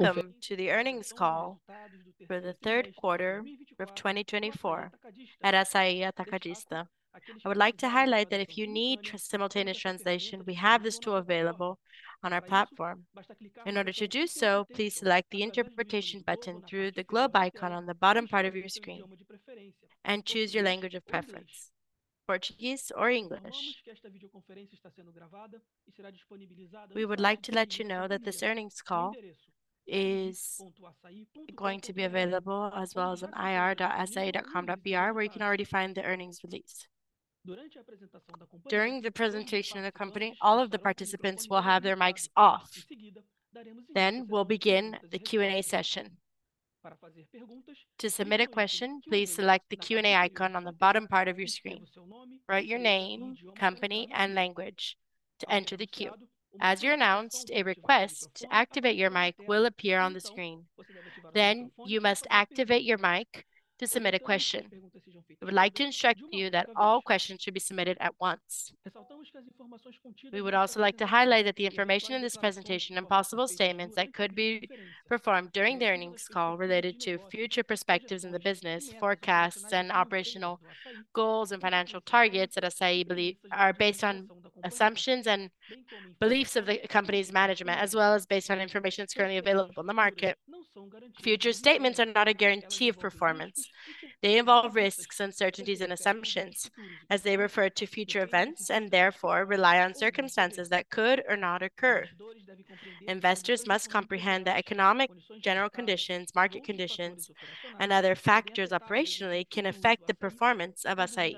Welcome to the earnings call for the third quarter of 2024 at Assaí Atacadista. I would like to highlight that if you need simultaneous translation, we have this tool available on our platform. In order to do so, please select the interpretation button through the globe icon on the bottom part of your screen and choose your language of preference: Portuguese or English. We would like to let you know that this earnings call is going to be available as well as on ir.assai.com.br, where you can already find the earnings release. During the presentation of the company, all of the participants will have their mics off. Then we'll begin the Q&A session. To submit a question, please select the Q&A icon on the bottom part of your screen. Write your name, company, and language to enter the queue. As you're announced, a request to activate your mic will appear on the screen. Then you must activate your mic to submit a question. We would like to instruct you that all questions should be submitted at once. We would also like to highlight that the information in this presentation and possible statements that could be performed during the earnings call related to future perspectives in the business, forecasts, and operational goals and financial targets at Assaí are based on assumptions and beliefs of the company's management, as well as based on information that's currently available in the market. Future statements are not a guarantee of performance. They involve risks, uncertainties, and assumptions as they refer to future events and therefore rely on circumstances that could or not occur. Investors must comprehend that economic general conditions, market conditions, and other factors operationally can affect the performance of Assaí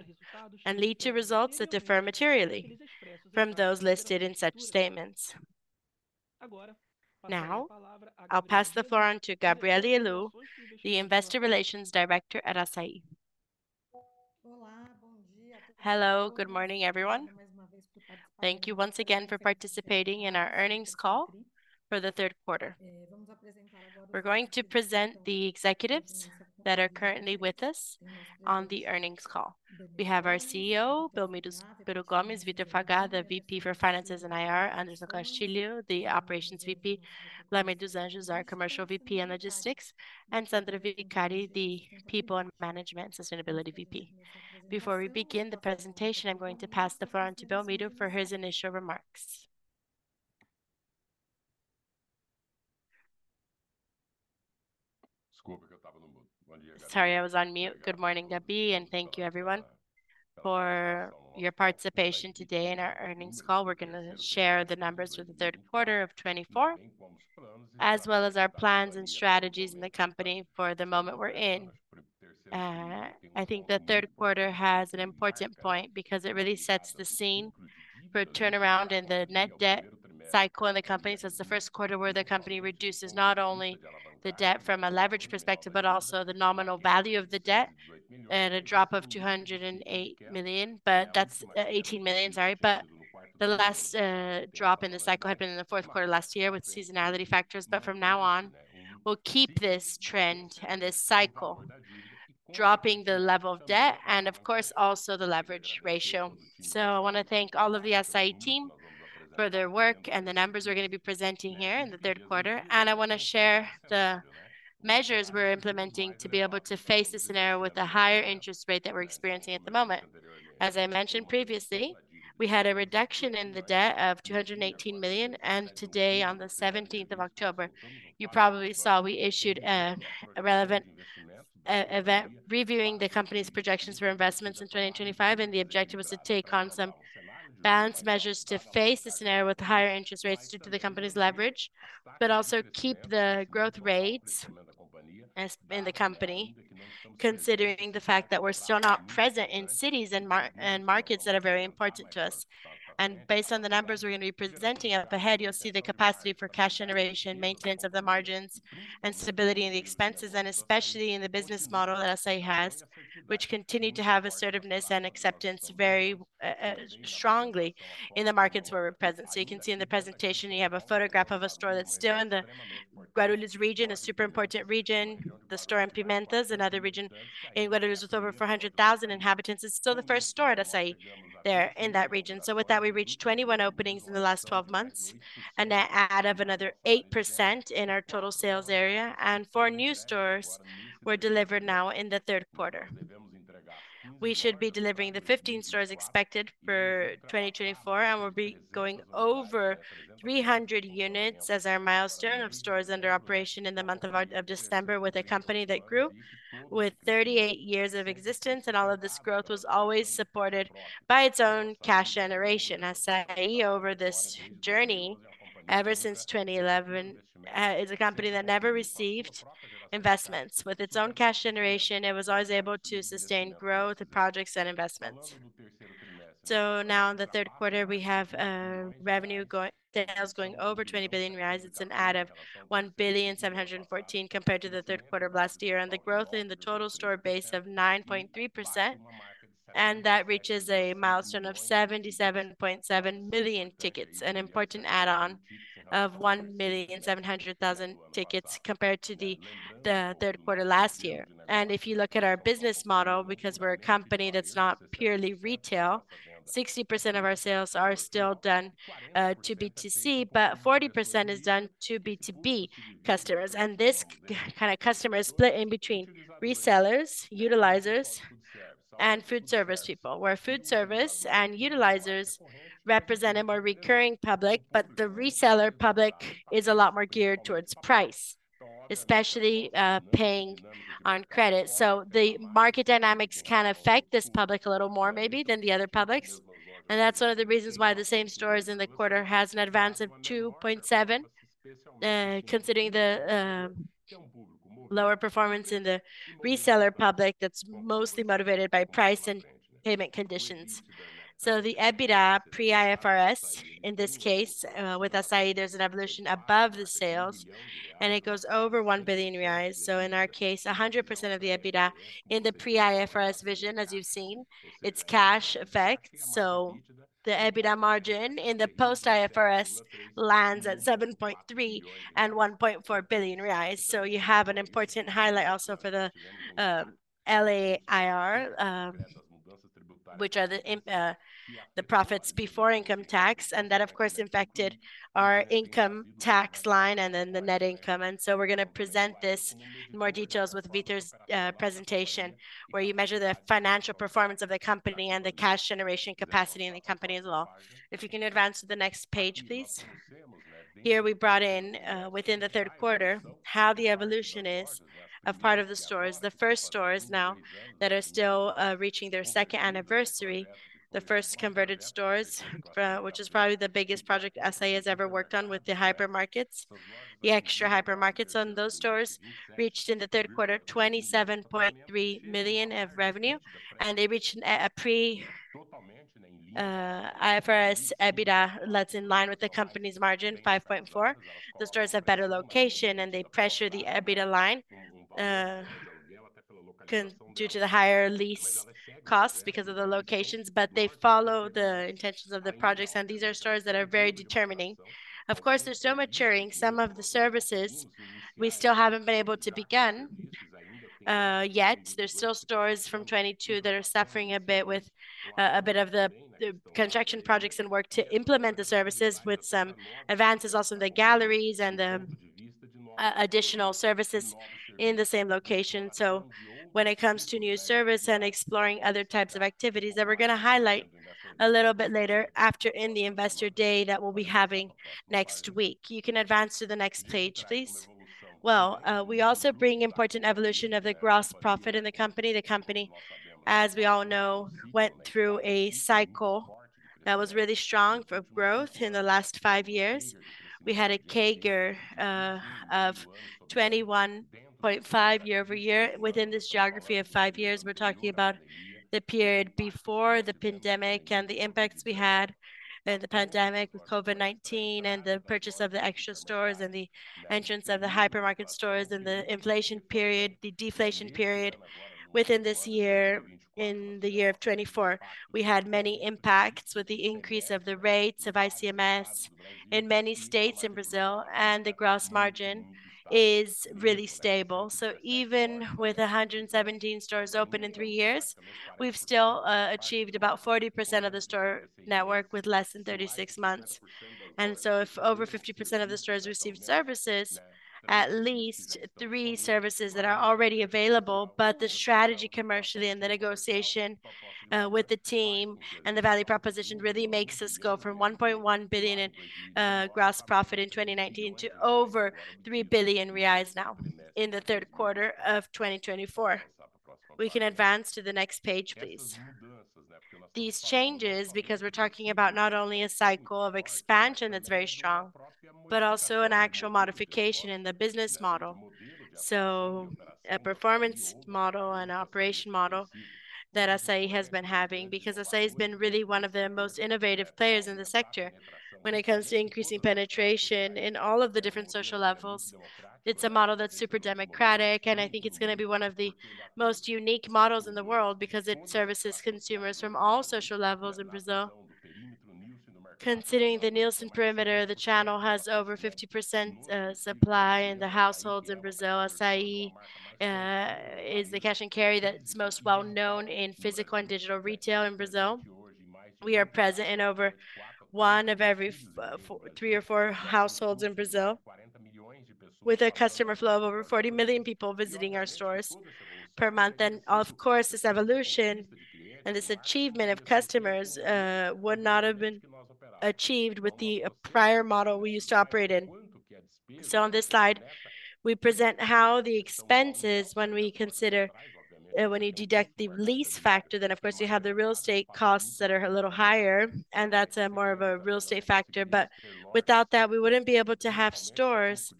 and lead to results that differ materially from those listed in such statements. Now, I'll pass the floor on to Gabrielle Helú, the Investor Relations Director at Assaí. Hello, good morning, everyone. Thank you once again for participating in our earnings call for the third quarter. We're going to present the executives that are currently with us on the earnings call. We have our CEO, Belmiro Gomes, Vitor Fagá, the VP for Finances and IR, Anderson Castilho, the Operations VP, Wlamir dos Anjos, our Commercial VP and Logistics, and Sandra Vicari, the People and Management Sustainability VP. Before we begin the presentation, I'm going to pass the floor on to Belmiro for his initial remarks. Sorry, I was on mute. Good morning, Gabi, and thank you, everyone, for your participation today in our earnings call. We're going to share the numbers for the third quarter of 2024, as well as our plans and strategies in the company for the moment we're in. I think the third quarter has an important point because it really sets the scene for a turnaround in the net debt cycle in the company. So it's the first quarter where the company reduces not only the debt from a leverage perspective, but also the nominal value of the debt and a drop of 208 million. But that's 18 million, sorry. But the last drop in the cycle had been in the fourth quarter last year with seasonality factors. But from now on, we'll keep this trend and this cycle, dropping the level of debt and, of course, also the leverage ratio. I want to thank all of the Assaí team for their work and the numbers we're going to be presenting here in the third quarter. I want to share the measures we're implementing to be able to face the scenario with a higher interest rate that we're experiencing at the moment. As I mentioned previously, we had a reduction in the debt of 218 million. Today, on the 17th of October, you probably saw we issued a relevant event reviewing the company's projections for investments in 2025. The objective was to take on some balance measures to face the scenario with higher interest rates due to the company's leverage, but also keep the growth rates in the company, considering the fact that we're still not present in cities and markets that are very important to us. Based on the numbers we're going to be presenting up ahead, you'll see the capacity for cash generation, maintenance of the margins, and stability in the expenses, and especially in the business model that Assaí has, which continued to have assertiveness and acceptance very strongly in the markets where we're present. So you can see in the presentation, you have a photograph of a store that's still in the Guarulhos region, a super important region. The store in Pimentas, another region in Guarulhos with over 400,000 inhabitants, is still the first store at Assaí there in that region. So with that, we reached 21 openings in the last 12 months and that adds up another 8% in our total sales area. Four new stores were delivered now in the third quarter. We should be delivering the 15 stores expected for 2024, and we'll be going over 300 units as our milestone of stores under operation in the month of December with a company that grew with 38 years of existence. All of this growth was always supported by its own cash generation. Assaí, over this journey, ever since 2011, is a company that never received investments. With its own cash generation, it was always able to sustain growth, projects, and investments. Now in the third quarter, we have revenue sales going over 20 billion reais. It's an add of 1.714 billion compared to the third quarter of last year. The growth in the total store base of 9.3%, and that reaches a milestone of 77.7 million tickets, an important add-on of 1.7 million tickets compared to the third quarter last year. And if you look at our business model, because we're a company that's not purely retail, 60% of our sales are still done to B2C, but 40% is done to B2B customers. And this kind of customer is split in between resellers, utilizers, and food service people, where food service and utilizers represent a more recurring public, but the reseller public is a lot more geared towards price, especially paying on credit. So the market dynamics can affect this public a little more maybe than the other publics. And that's one of the reasons why the same stores in the quarter has an advance of 2.7%, considering the lower performance in the reseller public that's mostly motivated by price and payment conditions. So the EBITDA pre-IFRS, in this case, with Assaí, there's an evolution above the sales, and it goes over 1 billion reais. In our case, 100% of the EBITDA in the pre-IFRS vision, as you've seen, it's cash effect. The EBITDA margin in the post-IFRS lands at 7.3% and 1.4 billion reais. You have an important highlight also for the LAIR, which are the profits before income tax. That, of course, affected our income tax line and then the net income. We're going to present this in more details with Vitor's presentation, where you measure the financial performance of the company and the cash generation capacity in the company as well. If you can advance to the next page, please. Here we brought in, within the third quarter, how the evolution is of part of the stores. The first stores now that are still reaching their second anniversary, the first converted stores, which is probably the biggest project Assaí has ever worked on with the hypermarkets, the Extra hypermarkets. On those stores reached in the third quarter 27.3 million of revenue. And they reached a pre-IFRS EBITDA that's in line with the company's margin, 5.4%. The stores have better location, and they pressure the EBITDA line due to the higher lease costs because of the locations, but they follow the intentions of the projects. And these are stores that are very determining. Of course, they're still maturing. Some of the services we still haven't been able to begin yet. There's still stores from 2022 that are suffering a bit with the construction projects and work to implement the services with some advances, also the galleries and the additional services in the same location. So when it comes to new service and exploring other types of activities that we're going to highlight a little bit later after in the investor day that we'll be having next week. You can advance to the next page, please. Well, we also bring important evolution of the gross profit in the company. The company, as we all know, went through a cycle that was really strong for growth in the last five years. We had a CAGR of 21.5 year-over-year within this geography of five years. We're talking about the period before the pandemic and the impacts we had in the pandemic with COVID-19 and the purchase of the Extra stores and the entrance of the hypermarket stores and the inflation period, the deflation period within this year. In the year of 2024, we had many impacts with the increase of the rates of ICMS in many states in Brazil, and the gross margin is really stable, so even with 117 stores open in three years, we've still achieved about 40% of the store network with less than 36 months, and so if over 50% of the stores received services, at least three services that are already available, but the strategy commercially and the negotiation with the team and the value proposition really makes us go from 1.1 billion gross profit in 2019 to over 3 billion reais now in the third quarter of 2024. We can advance to the next page, please. These changes, because we're talking about not only a cycle of expansion that's very strong, but also an actual modification in the business model. A performance model and operation model that Assaí has been having, because Assaí has been really one of the most innovative players in the sector when it comes to increasing penetration in all of the different social levels. It's a model that's super democratic, and I think it's going to be one of the most unique models in the world because it services consumers from all social levels in Brazil. Considering the Nielsen perimeter, the channel has over 50% supply in the households in Brazil. Assaí cash and carry that's most well known in physical and digital retail in Brazil. We are present in over one of every three or four households in Brazil, with a customer flow of over 40 million people visiting our stores per month. Of course, this evolution and this achievement of customers would not have been achieved with the prior model we used to operate in. On this slide, we present how the expenses, when we consider, when you deduct the lease factor, then of course you have the real estate costs that are a little higher, and that's more of a real estate factor. Without that, we wouldn't be able to have stores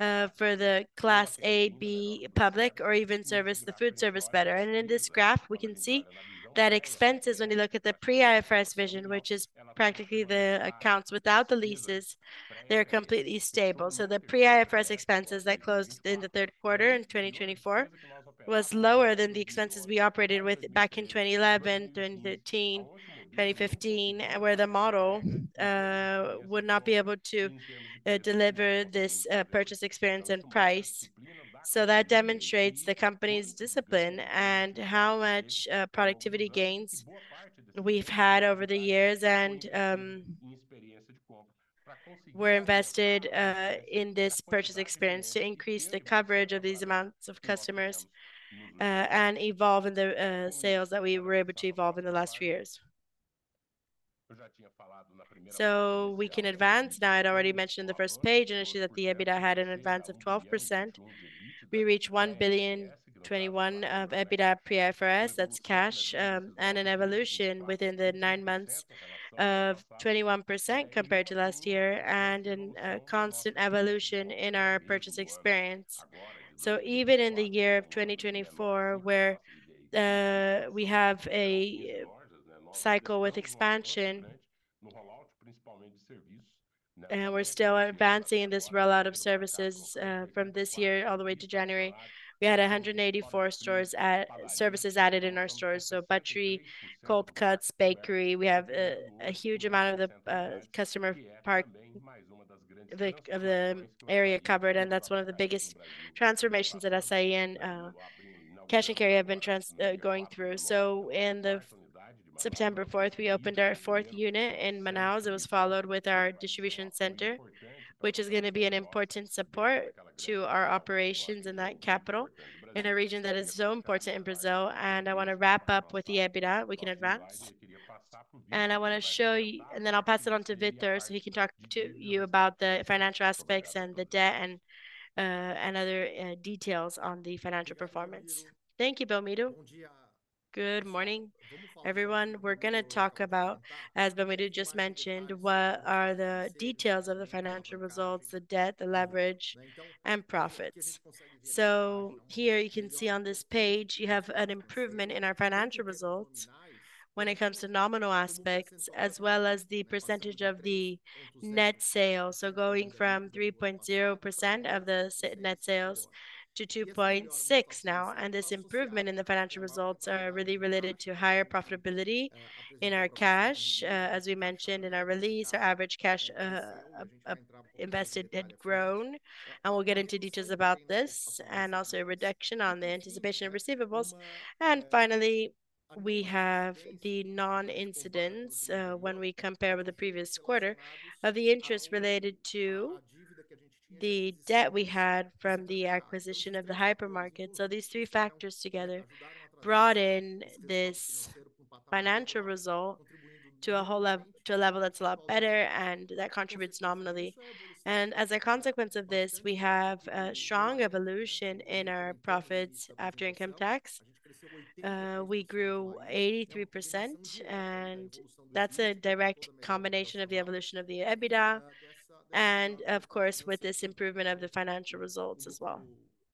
for the class A, B, public, or even service, the food service better. In this graph, we can see that expenses, when you look at the pre-IFRS vision, which is practically the accounts without the leases, they're completely stable. The pre-IFRS expenses that closed in the third quarter in 2024 was lower than the expenses we operated with back in 2011, 2013, 2015, where the model would not be able to deliver this purchase experience and price, so that demonstrates the company's discipline and how much productivity gains we've had over the years, and we're invested in this purchase experience to increase the coverage of these amounts of customers and evolve in the sales that we were able to evolve in the last few years, so we can advance. Now, I'd already mentioned in the first page initially that the EBITDA had an advance of 12%. We reached 1.021 billion of EBITDA pre-IFRS. That's cash and an evolution within the nine months of 21% compared to last year and a constant evolution in our purchase experience. So even in the year of 2024, where we have a cycle with expansion, and we're still advancing in this rollout of services from this year all the way to January, we had 184 stores at services added in our stores. Butchery, cold cuts, bakery, we have a huge amount of the customer part of the area covered. That is one of the biggest transformations that cash and carry have been going through. On September 4th, we opened our fourth unit in Manaus. It was followed with our distribution center, which is going to be an important support to our operations in that capital in a region that is so important in Brazil. I want to wrap up with the EBITDA. We can advance. I want to show you, and then I'll pass it on to Vitor so he can talk to you about the financial aspects and the debt and other details on the financial performance. Thank you, Belmiro. Good morning, everyone. We're going to talk about, as Belmiro just mentioned, what are the details of the financial results, the debt, the leverage, and profits. So here you can see on this page, you have an improvement in our financial results when it comes to nominal aspects, as well as the percentage of the net sales. So going from 3.0% of the net sales to 2.6% now. And this improvement in the financial results is really related to higher profitability in our cash. As we mentioned in our release, our average cash invested had grown. And we'll get into details about this and also a reduction on the anticipation of receivables. And finally, we have the non-incidence when we compare with the previous quarter of the interest related to the debt we had from the acquisition of the hypermarket. So these three factors together brought in this financial result to a level that's a lot better and that contributes nominally. And as a consequence of this, we have a strong evolution in our profits after income tax. We grew 83%, and that's a direct combination of the evolution of the EBITDA and, of course, with this improvement of the financial results as well.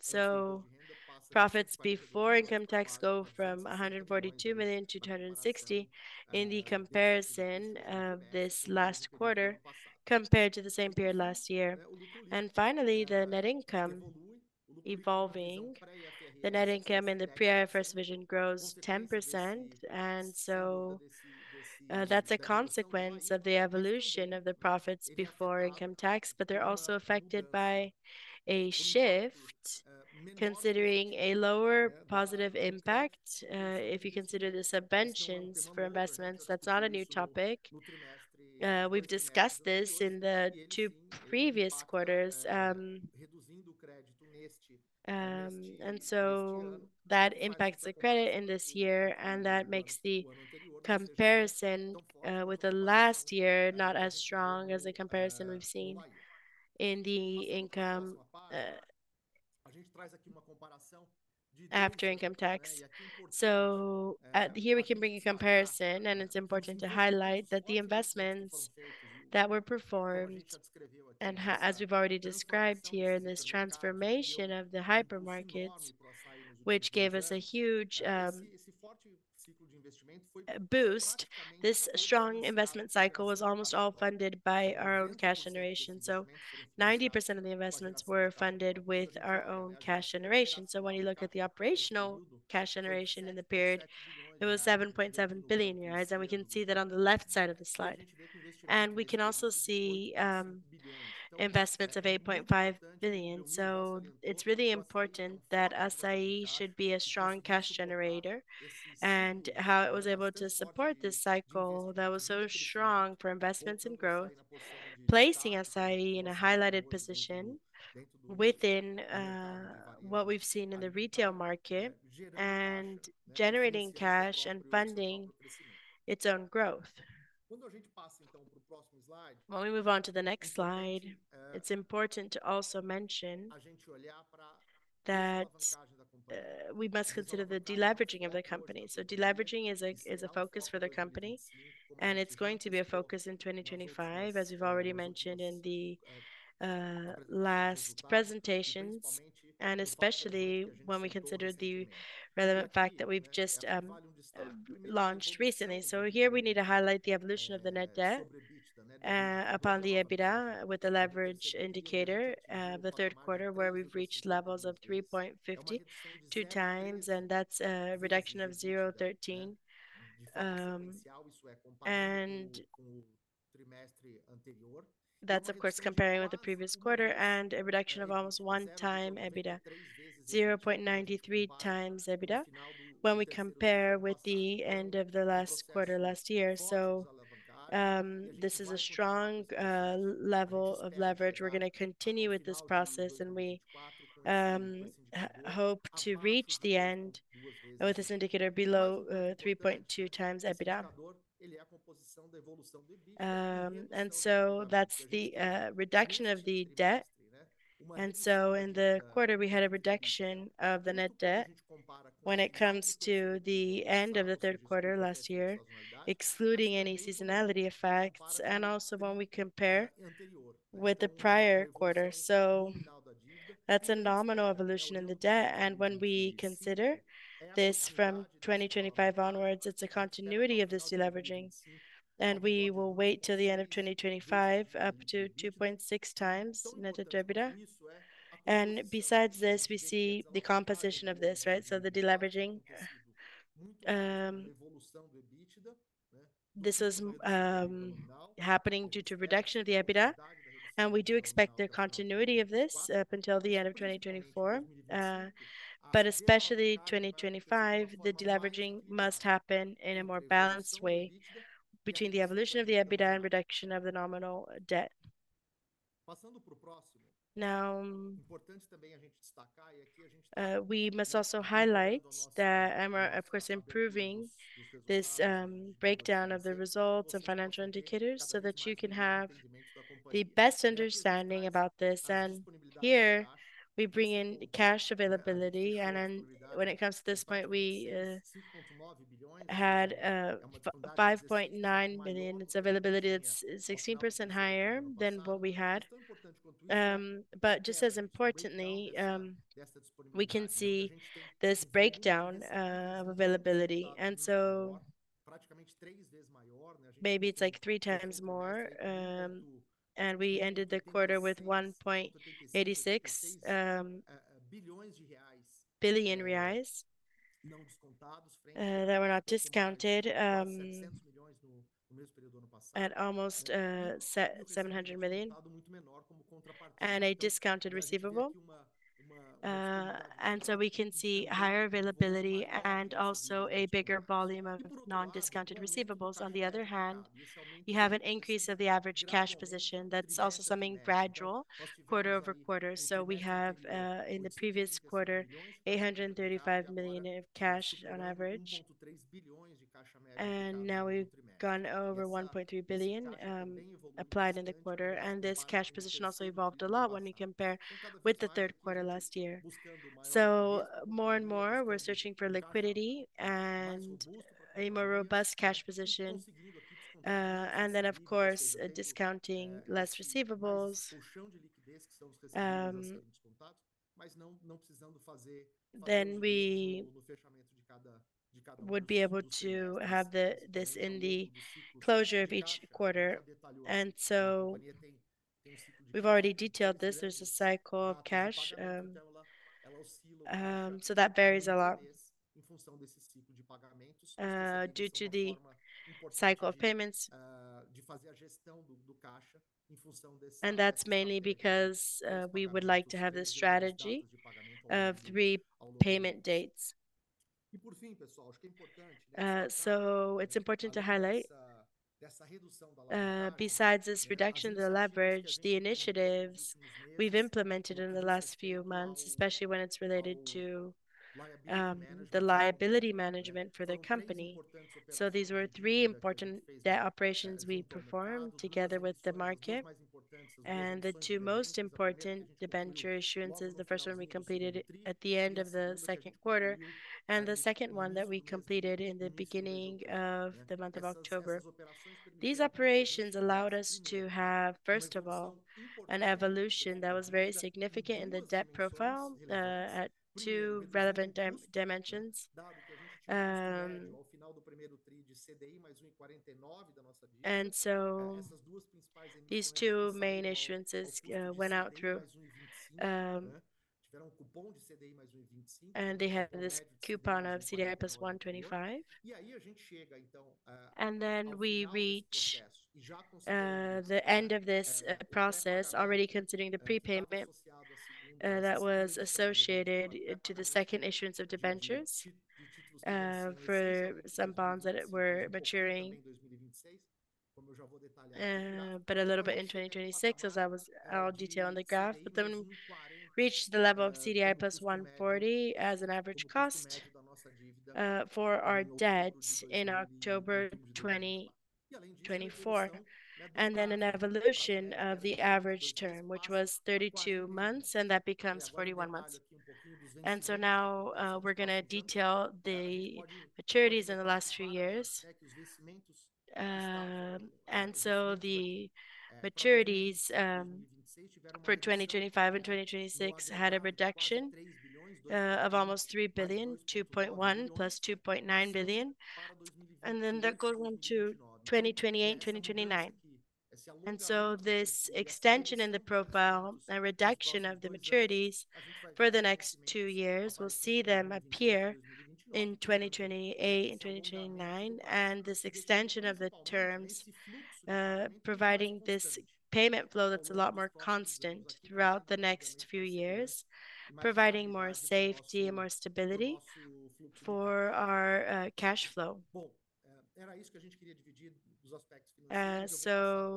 So profits before income tax go from 142 million to 260 in the comparison of this last quarter compared to the same period last year. And finally, the net income evolving. The net income in the pre-IFRS vision grows 10%. That's a consequence of the evolution of the Profit Before Income Tax, but they're also affected by a shift considering a lower positive impact. If you consider the subventions for investments, that's not a new topic. We've discussed this in the two previous quarters. And so that impacts the credit in this year, and that makes the comparison with the last year not as strong as the comparison we've seen in the income after income tax. So here we can bring a comparison, and it's important to highlight that the investments that were performed, and as we've already described here, this transformation of the hypermarkets, which gave us a huge boost, this strong investment cycle was almost all funded by our own cash generation. So 90% of the investments were funded with our own cash generation. So when you look at the operational cash generation in the period, it was BRL 7.7 billion. And we can see that on the left side of the slide. And we can also see investments of 8.5 billion. So it's really important that Assaí should be a strong cash generator and how it was able to support this cycle that was so strong for investments and growth, placing Assaí in a highlighted position within what we've seen in the retail market and generating cash and funding its own growth. When we move on to the next slide, it's important to also mention that we must consider the deleveraging of the company. So deleveraging is a focus for the company, and it's going to be a focus in 2025, as we've already mentioned in the last presentations, and especially when we consider the relevant fact that we've just launched recently. So here we need to highlight the evolution of the net debt upon the EBITDA with the leverage indicator of the third quarter, where we've reached levels of 3.52 times, and that's a reduction of 0.13. And that's, of course, comparing with the previous quarter, and a reduction of almost one time EBITDA, 0.93 times EBITDA, when we compare with the end of the last quarter last year. So this is a strong level of leverage. We're going to continue with this process, and we hope to reach the end with this indicator below 3.2 times EBITDA. And so that's the reduction of the debt. And so in the quarter, we had a reduction of the net debt when it comes to the end of the third quarter last year, excluding any seasonality effects, and also when we compare with the prior quarter. That's a nominal evolution in the debt. And when we consider this from 2025 onwards, it's a continuity of this deleveraging. And we will wait till the end of 2025 up to 2.6 times net EBITDA. And besides this, we see the composition of this, right? So the deleveraging, this was happening due to reduction of the EBITDA, and we do expect the continuity of this up until the end of 2024. But especially 2025, the deleveraging must happen in a more balanced way between the evolution of the EBITDA and reduction of the nominal debt. Now, we must also highlight that I'm, of course, improving this breakdown of the results and financial indicators so that you can have the best understanding about this. And here we bring in cash availability. And when it comes to this point, we had 5.9 million. It's availability that's 16% higher than what we had, but just as importantly, we can see this breakdown of availability, and so maybe it's like three times more, and we ended the quarter with 1.86 billion reais that were not discounted at almost 700 million, and a discounted receivable, and so we can see higher availability and also a bigger volume of non-discounted receivables. On the other hand, you have an increase of the average cash position. That's also something gradual quarter over quarter, so we have, in the previous quarter, 835 million of cash on average, and now we've gone over 1.3 billion applied in the quarter, and this cash position also evolved a lot when you compare with the third quarter last year, so more and more, we're searching for liquidity and a more robust cash position. And then, of course, discounting less receivables, then we would be able to have this in the closure of each quarter. And so we've already detailed this. There's a cycle of cash, so that varies a lot due to the cycle of payments. And that's mainly because we would like to have this strategy of three payment dates. So it's important to highlight, besides this reduction of the leverage, the initiatives we've implemented in the last few months, especially when it's related to the liability management for the company. So these were three important debt operations we performed together with the market. And the two most important debenture issuances: the first one we completed at the end of the second quarter and the second one that we completed in the beginning of the month of October. These operations allowed us to have, first of all, an evolution that was very significant in the debt profile at two relevant dimensions. And so these two main issuances went out through, and they had this coupon of CDI plus 125. And then we reached the end of this process, already considering the prepayment that was associated to the second issuance of debentures for some bonds that were maturing, but a little bit in 2026, as I'll detail on the graph. But then we reached the level of CDI plus 140 as an average cost for our debt in October 2024, and then an evolution of the average term, which was 32 months, and that becomes 41 months. And so now we're going to detail the maturities in the last few years. The maturities for 2025 and 2026 had a reduction of almost three billion, 2.1 billion plus 2.9 billion. Then that goes into 2028, 2029. This extension in the profile and reduction of the maturities for the next two years. We'll see them appear in 2028 and 2029. This extension of the terms providing this payment flow that's a lot more constant throughout the next few years, providing more safety and more stability for our cash flow.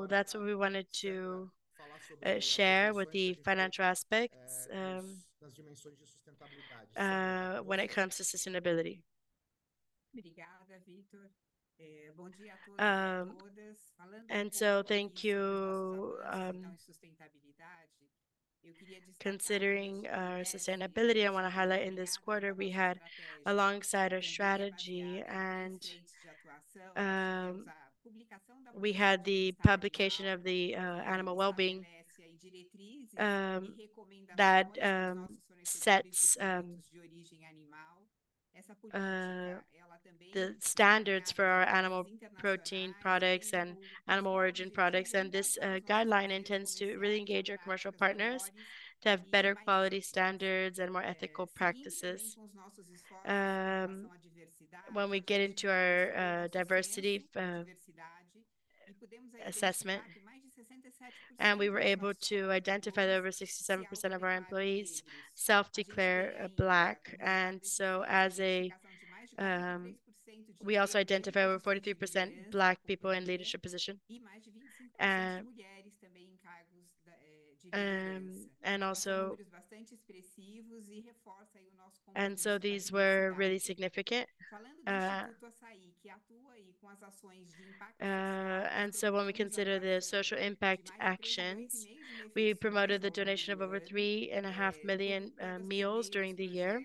That's what we wanted to share with the financial aspects when it comes to sustainability. Thank you. Considering our sustainability, I want to highlight in this quarter we had, alongside our strategy, and we had the publication of the Animal Well-Being that sets the standards for our animal protein products and animal origin products. This guideline intends to really engage our commercial partners to have better quality standards and more ethical practices. When we get into our diversity assessment, we were able to identify that over 67% of our employees self-declare Black. We also identify over 43% Black people in leadership positions. These were really significant. When we consider the social impact actions, we promoted the donation of over 3.5 million meals during the year,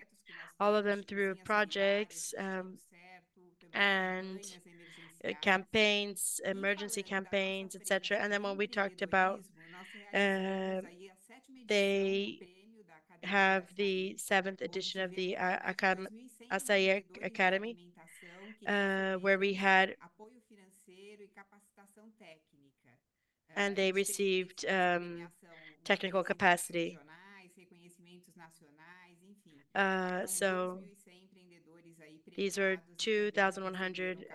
all of them through projects and campaigns, emergency campaigns, etc. When we talked about they have the seventh edition of the Assaí Academy, where we had technical capacity. These were 2,100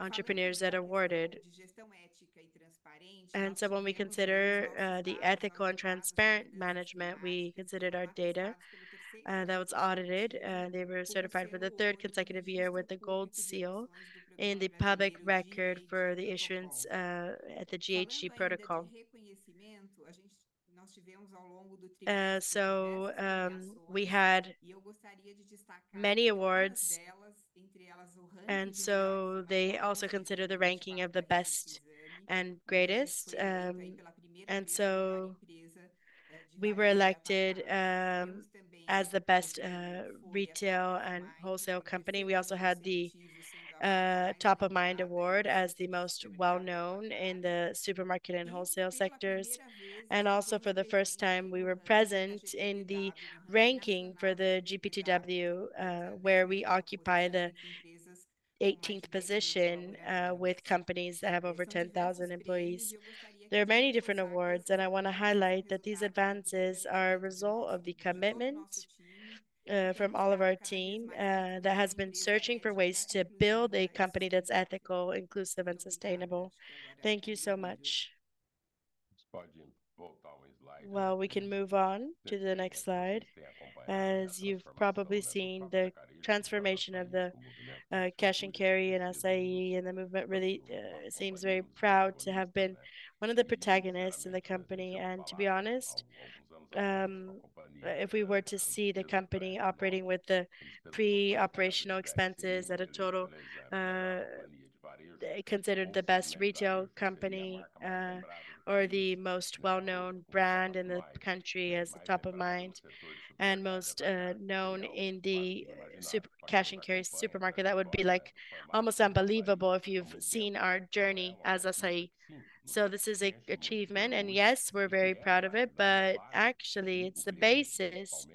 entrepreneurs that awarded the Gestão Ética e Transparente. When we consider the ethical and transparent management, we considered our data that was audited, and they were certified for the third consecutive year with the gold seal in the public record for the issuance at the GHG Protocol. We had many awards, and they also consider the ranking of the best and greatest. We were elected as the best retail and wholesale company. We also had the top of mind award as the most well-known in the supermarket and wholesale sectors. For the first time, we were present in the ranking for the GPTW, where we occupy the 18th position with companies that have over 10,000 employees. There are many different awards, and I want to highlight that these advances are a result of the commitment from all of our team that has been searching for ways to build a company that's ethical, inclusive, and sustainable. Thank you so much. Well, we can move on to the next slide. As you've probably seen, the transformation of the Cash and Carry in Assaí and the movement really seems very proud to have been one of the protagonists in the company. And to be honest, if we were to see the company operating with the pre-operational expenses at a total considered the best retail company or the most well-known brand in the country as the top of mind and most known in the Cash and Carry supermarket, that would be like almost unbelievable if you've seen our journey as Assaí. So this is an achievement. And yes, we're very proud of it, but actually, it's the basis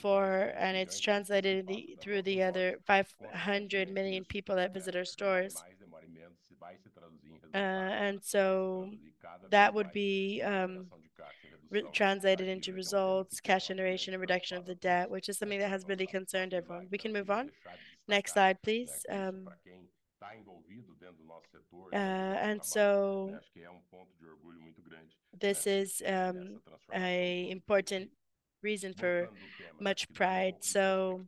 for, and it's translated through the other 500 million people that visit our stores. And so that would be translated into results, cash generation, and reduction of the debt, which is something that has really concerned everyone. We can move on. Next slide, please. And so this is an important reason for much pride. So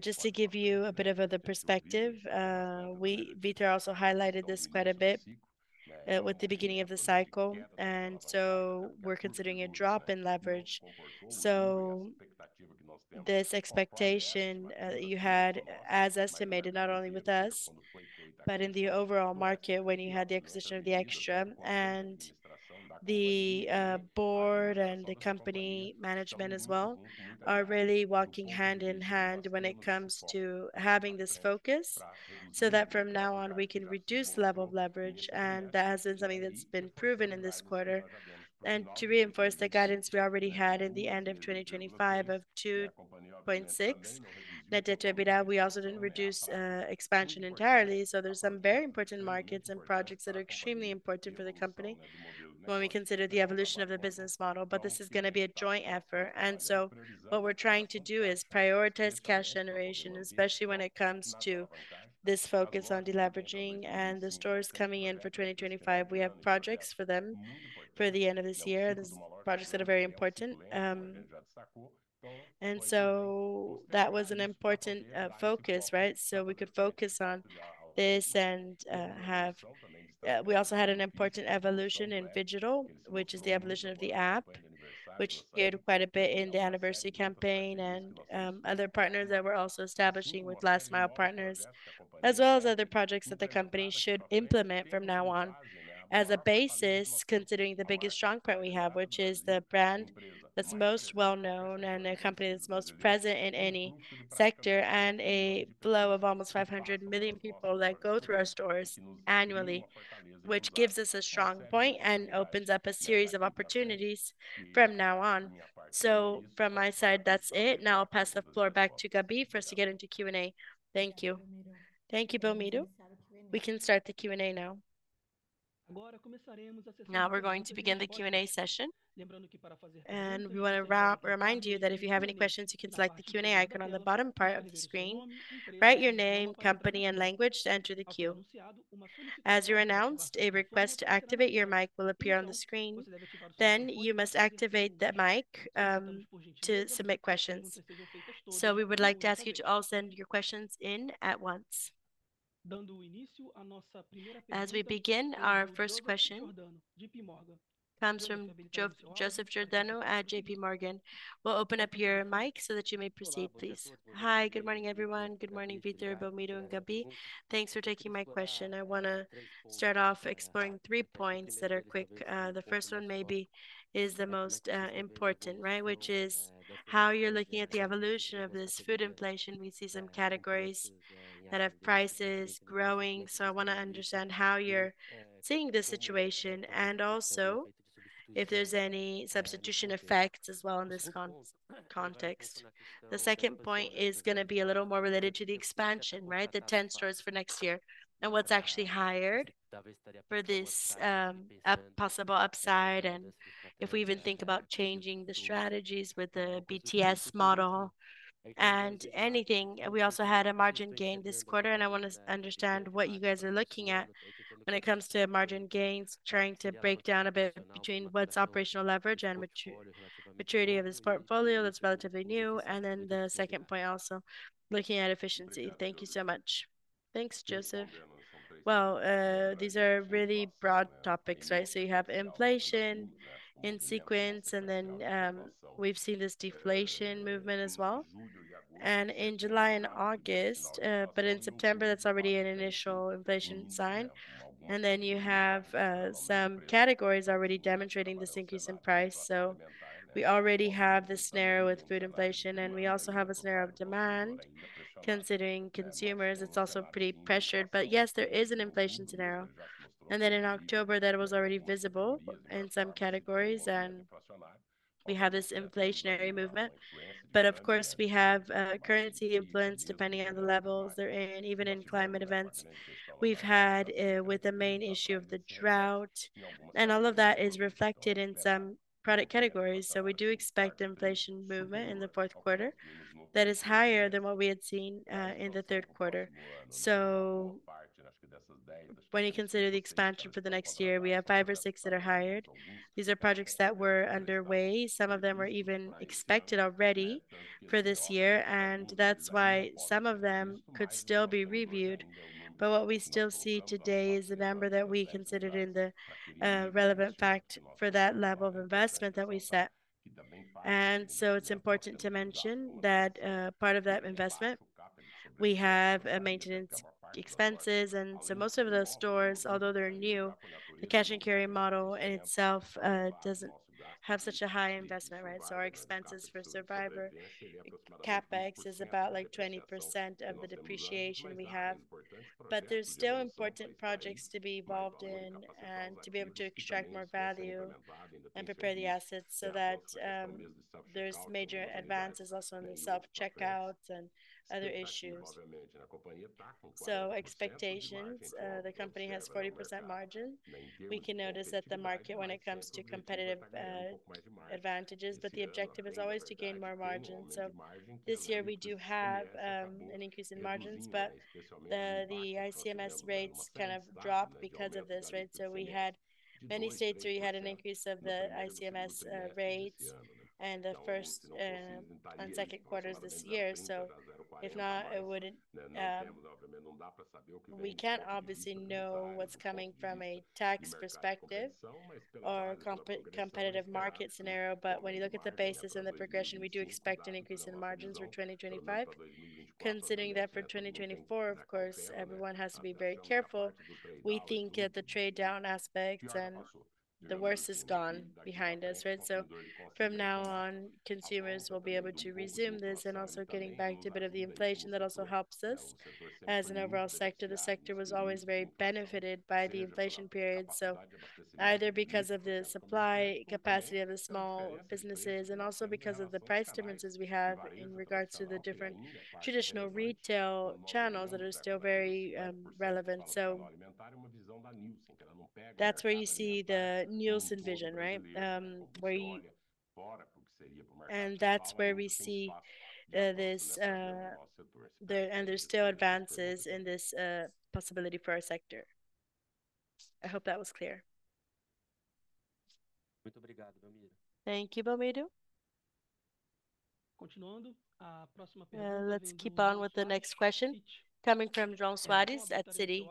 just to give you a bit of the perspective, Vitor also highlighted this quite a bit with the beginning of the cycle. And so we're considering a drop in leverage. So this expectation that you had as estimated, not only with us, but in the overall market when you had the acquisition of the Extra. And the board and the company management as well are really walking hand in hand when it comes to having this focus so that from now on, we can reduce the level of leverage. And that has been something that's been proven in this quarter. And to reinforce the guidance we already had at the end of 2025 of 2.6, we also didn't reduce expansion entirely. So there's some very important markets and projects that are extremely important for the company when we consider the evolution of the business model. But this is going to be a joint effort. And so what we're trying to do is prioritize cash generation, especially when it comes to this focus on deleveraging and the stores coming in for 2025. We have projects for them for the end of this year. These projects that are very important. And so that was an important focus, right? So we could focus on this and we also had an important evolution in digital, which is the evolution of the app, which appeared quite a bit in the anniversary campaign and other partners that we're also establishing with last mile partners, as well as other projects that the company should implement from now on as a basis, considering the biggest strong point we have, which is the brand that's most well-known and the company that's most present in any sector and a flow of almost 500 million people that go through our stores annually, which gives us a strong point and opens up a series of opportunities from now on. So from my side, that's it. Now I'll pass the floor back to Gabi for us to get into Q&A. Thank you. Thank you, Belmiro. We can start the Q&A now. Now we're going to begin the Q&A session. And we want to remind you that if you have any questions, you can select the Q&A icon on the bottom part of the screen, write your name, company, and language to enter the queue. As you're announced, a request to activate your mic will appear on the screen. Then you must activate the mic to submit questions. So we would like to ask you to all send your questions in at once. As we begin, our first question comes from Joseph Giordano at JP Morgan. We'll open up your mic so that you may proceed, please. Hi, good morning, everyone. Good morning, Vitor, Belmiro, and Gabi. Thanks for taking my question. I want to start off exploring three points that are quick. The first one maybe is the most important, right? Which is how you're looking at the evolution of this food inflation. We see some categories that have prices growing. So I want to understand how you're seeing this situation and also if there's any substitution effects as well in this context. The second point is going to be a little more related to the expansion, right? The 10 stores for next year and what's actually eyed for this possible upside. And if we even think about changing the strategies with the BTS model and anything, we also had a margin gain this quarter. And I want to understand what you guys are looking at when it comes to margin gains, trying to break down a bit between what's operational leverage and maturity of this portfolio that's relatively new. And then the second point, also looking at efficiency. Thank you so much. Thanks, Joseph. These are really broad topics, right? You have inflation in sequence, and then we've seen this deflation movement as well. In July and August, but in September, that's already an initial inflation sign. Then you have some categories already demonstrating this increase in price. We already have this scenario with food inflation, and we also have a scenario of demand considering consumers. It's also pretty pressured. Yes, there is an inflation scenario. Then in October, that was already visible in some categories, and we have this inflationary movement. Of course, we have currency influence depending on the levels there and even in climate events we've had with the main issue of the drought. All of that is reflected in some product categories. So we do expect inflation movement in the fourth quarter that is higher than what we had seen in the third quarter. So when you consider the expansion for the next year, we have five or six that are hired. These are projects that were underway. Some of them were even expected already for this year, and that's why some of them could still be reviewed. But what we still see today is the number that we considered in the relevant fact for that level of investment that we set. And so it's important to mention that part of that investment, we have maintenance expenses. And so most of those stores, although they're cash and carry model in itself doesn't have such a high investment, right? So our expenses for maintenance CapEx is about like 20% of the depreciation we have. But there's still important projects to be involved in and to be able to extract more value and prepare the assets so that there's major advances also in the self-checkout and other issues. So expectations, the company has 40% margin. We can notice that the market, when it comes to competitive advantages, but the objective is always to gain more margin. So this year, we do have an increase in margins, but the ICMS rates kind of dropped because of this, right? So we had many states where you had an increase of the ICMS rates in the first and second quarters this year. So if not, we can't obviously know what's coming from a tax perspective or competitive market scenario. But when you look at the basis and the progression, we do expect an increase in margins for 2025. Considering that for 2024, of course, everyone has to be very careful. We think that the trade-down aspects and the worst is behind us, right? So from now on, consumers will be able to resume this and also getting back to a bit of the inflation that also helps us as an overall sector. The sector was always very benefited by the inflation period, so either because of the supply capacity of the small businesses and also because of the price differences we have in regards to the different traditional retail channels that are still very relevant, so that's where you see the Nielsen vision, right, and that's where we see this, and there's still advances in this possibility for our sector. I hope that was clear. Thank you, Belmiro. Continuando, let's keep on with the next question coming from João Soares at Citi.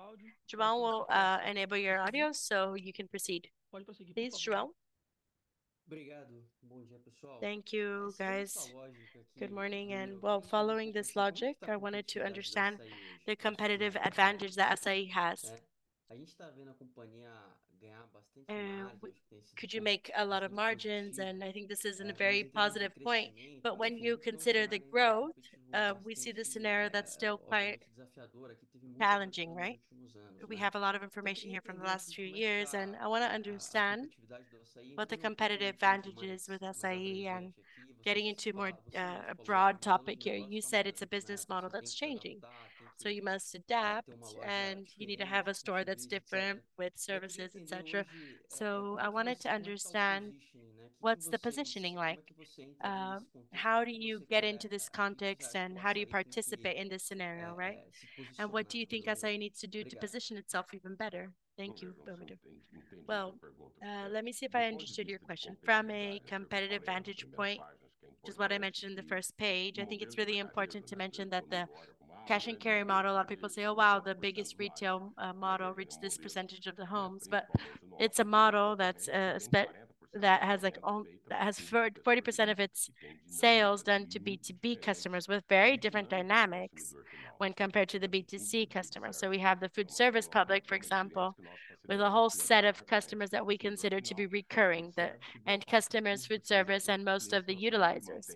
João, we'll enable your audio so you can proceed. Please, João. Thank you, guys. Good morning. And while following this logic, I wanted to understand the competitive advantage that Assaí has. Could you make a lot of margins? And I think this is a very positive point. But when you consider the growth, we see the scenario that's still quite challenging, right? We have a lot of information here from the last few years, and I want to understand what the competitive advantage is with Assaí and getting into more a broad topic here. You said it's a business model that's changing. So you must adapt, and you need to have a store that's different with services, etc. So I wanted to understand what's the positioning like. How do you get into this context, and how do you participate in this scenario, right? What do you think Assaí needs to do to position itself even better? Thank you, Belmiro. Well, let me see if I understood your question. From a competitive vantage point, which is what I mentioned in the first page, I think it's really important to mention cash and carry model, a lot of people say, "Oh, wow, the biggest retail model reached this percentage of the homes." But it's a model that has like 40% of its sales done to B2B customers with very different dynamics when compared to the B2C customers. So we have the food service public, for example, with a whole set of customers that we consider to be recurring, and customers, food service, and most of the utilizers.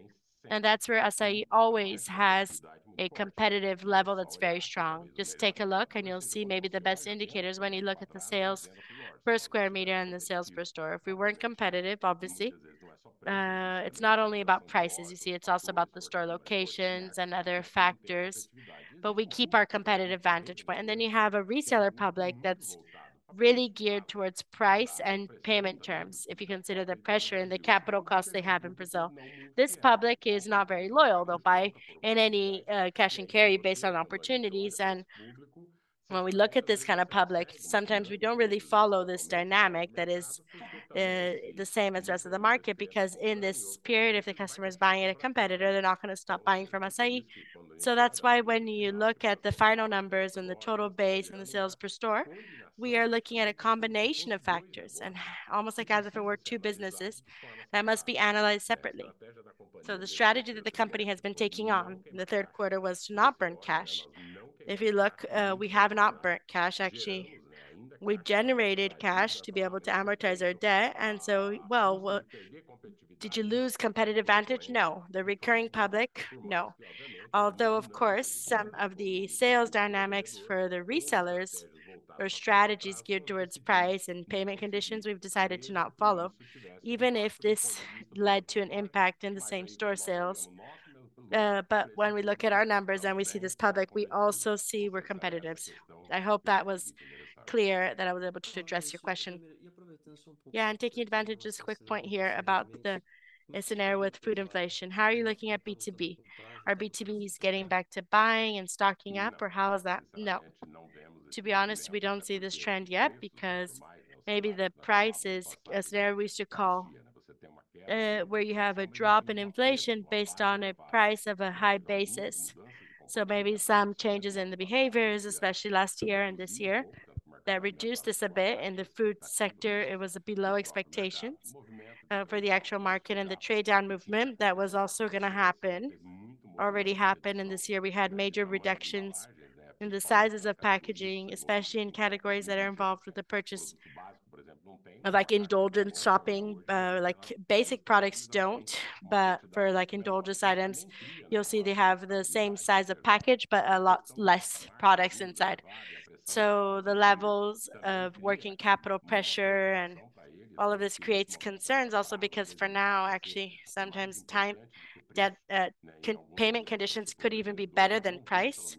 And that's where Assaí always has a competitive level that's very strong. Just take a look, and you'll see maybe the best indicators when you look at the sales per square meter and the sales per store. If we weren't competitive, obviously, it's not only about prices. You see, it's also about the store locations and other factors, but we keep our competitive vantage point, and then you have a reseller public that's really geared towards price and payment terms. If you consider the pressure and the capital costs they have in Brazil, this public is not very loyal, though, buying cash and carry based on opportunities. When we look at this kind of public, sometimes we don't really follow this dynamic that is the same as the rest of the market because in this period, if the customer is buying at a competitor, they're not going to stop buying from Assaí. So that's why when you look at the final numbers and the total base and the sales per store, we are looking at a combination of factors and almost like as if it were two businesses that must be analyzed separately. So the strategy that the company has been taking on in the third quarter was to not burn cash. If you look, we have not burnt cash, actually. We generated cash to be able to amortize our debt. And so, well, did you lose competitive advantage? No. The recurring public? No. Although, of course, some of the sales dynamics for the resellers or strategies geared towards price and payment conditions, we've decided to not follow, even if this led to an impact in the same store sales. But when we look at our numbers and we see this public, we also see we're competitive. I hope that was clear that I was able to address your question. Yeah, and taking advantage of this quick point here about the scenario with food inflation, how are you looking at B2B? Are B2Bs getting back to buying and stocking up, or how is that? No. To be honest, we don't see this trend yet because maybe the price is a scenario we used to call where you have a drop in inflation based on a price of a high basis. So maybe some changes in the behaviors, especially last year and this year, that reduced this a bit in the food sector. It was below expectations for the actual market and the trade-down movement that was also going to happen, already happened, and this year, we had major reductions in the sizes of packaging, especially in categories that are involved with the purchase, like indulgence shopping. Like basic products don't, but for like indulgence items, you'll see they have the same size of package, but a lot less products inside. So the levels of working capital pressure and all of this creates concerns also because for now, actually, sometimes time payment conditions could even be better than price.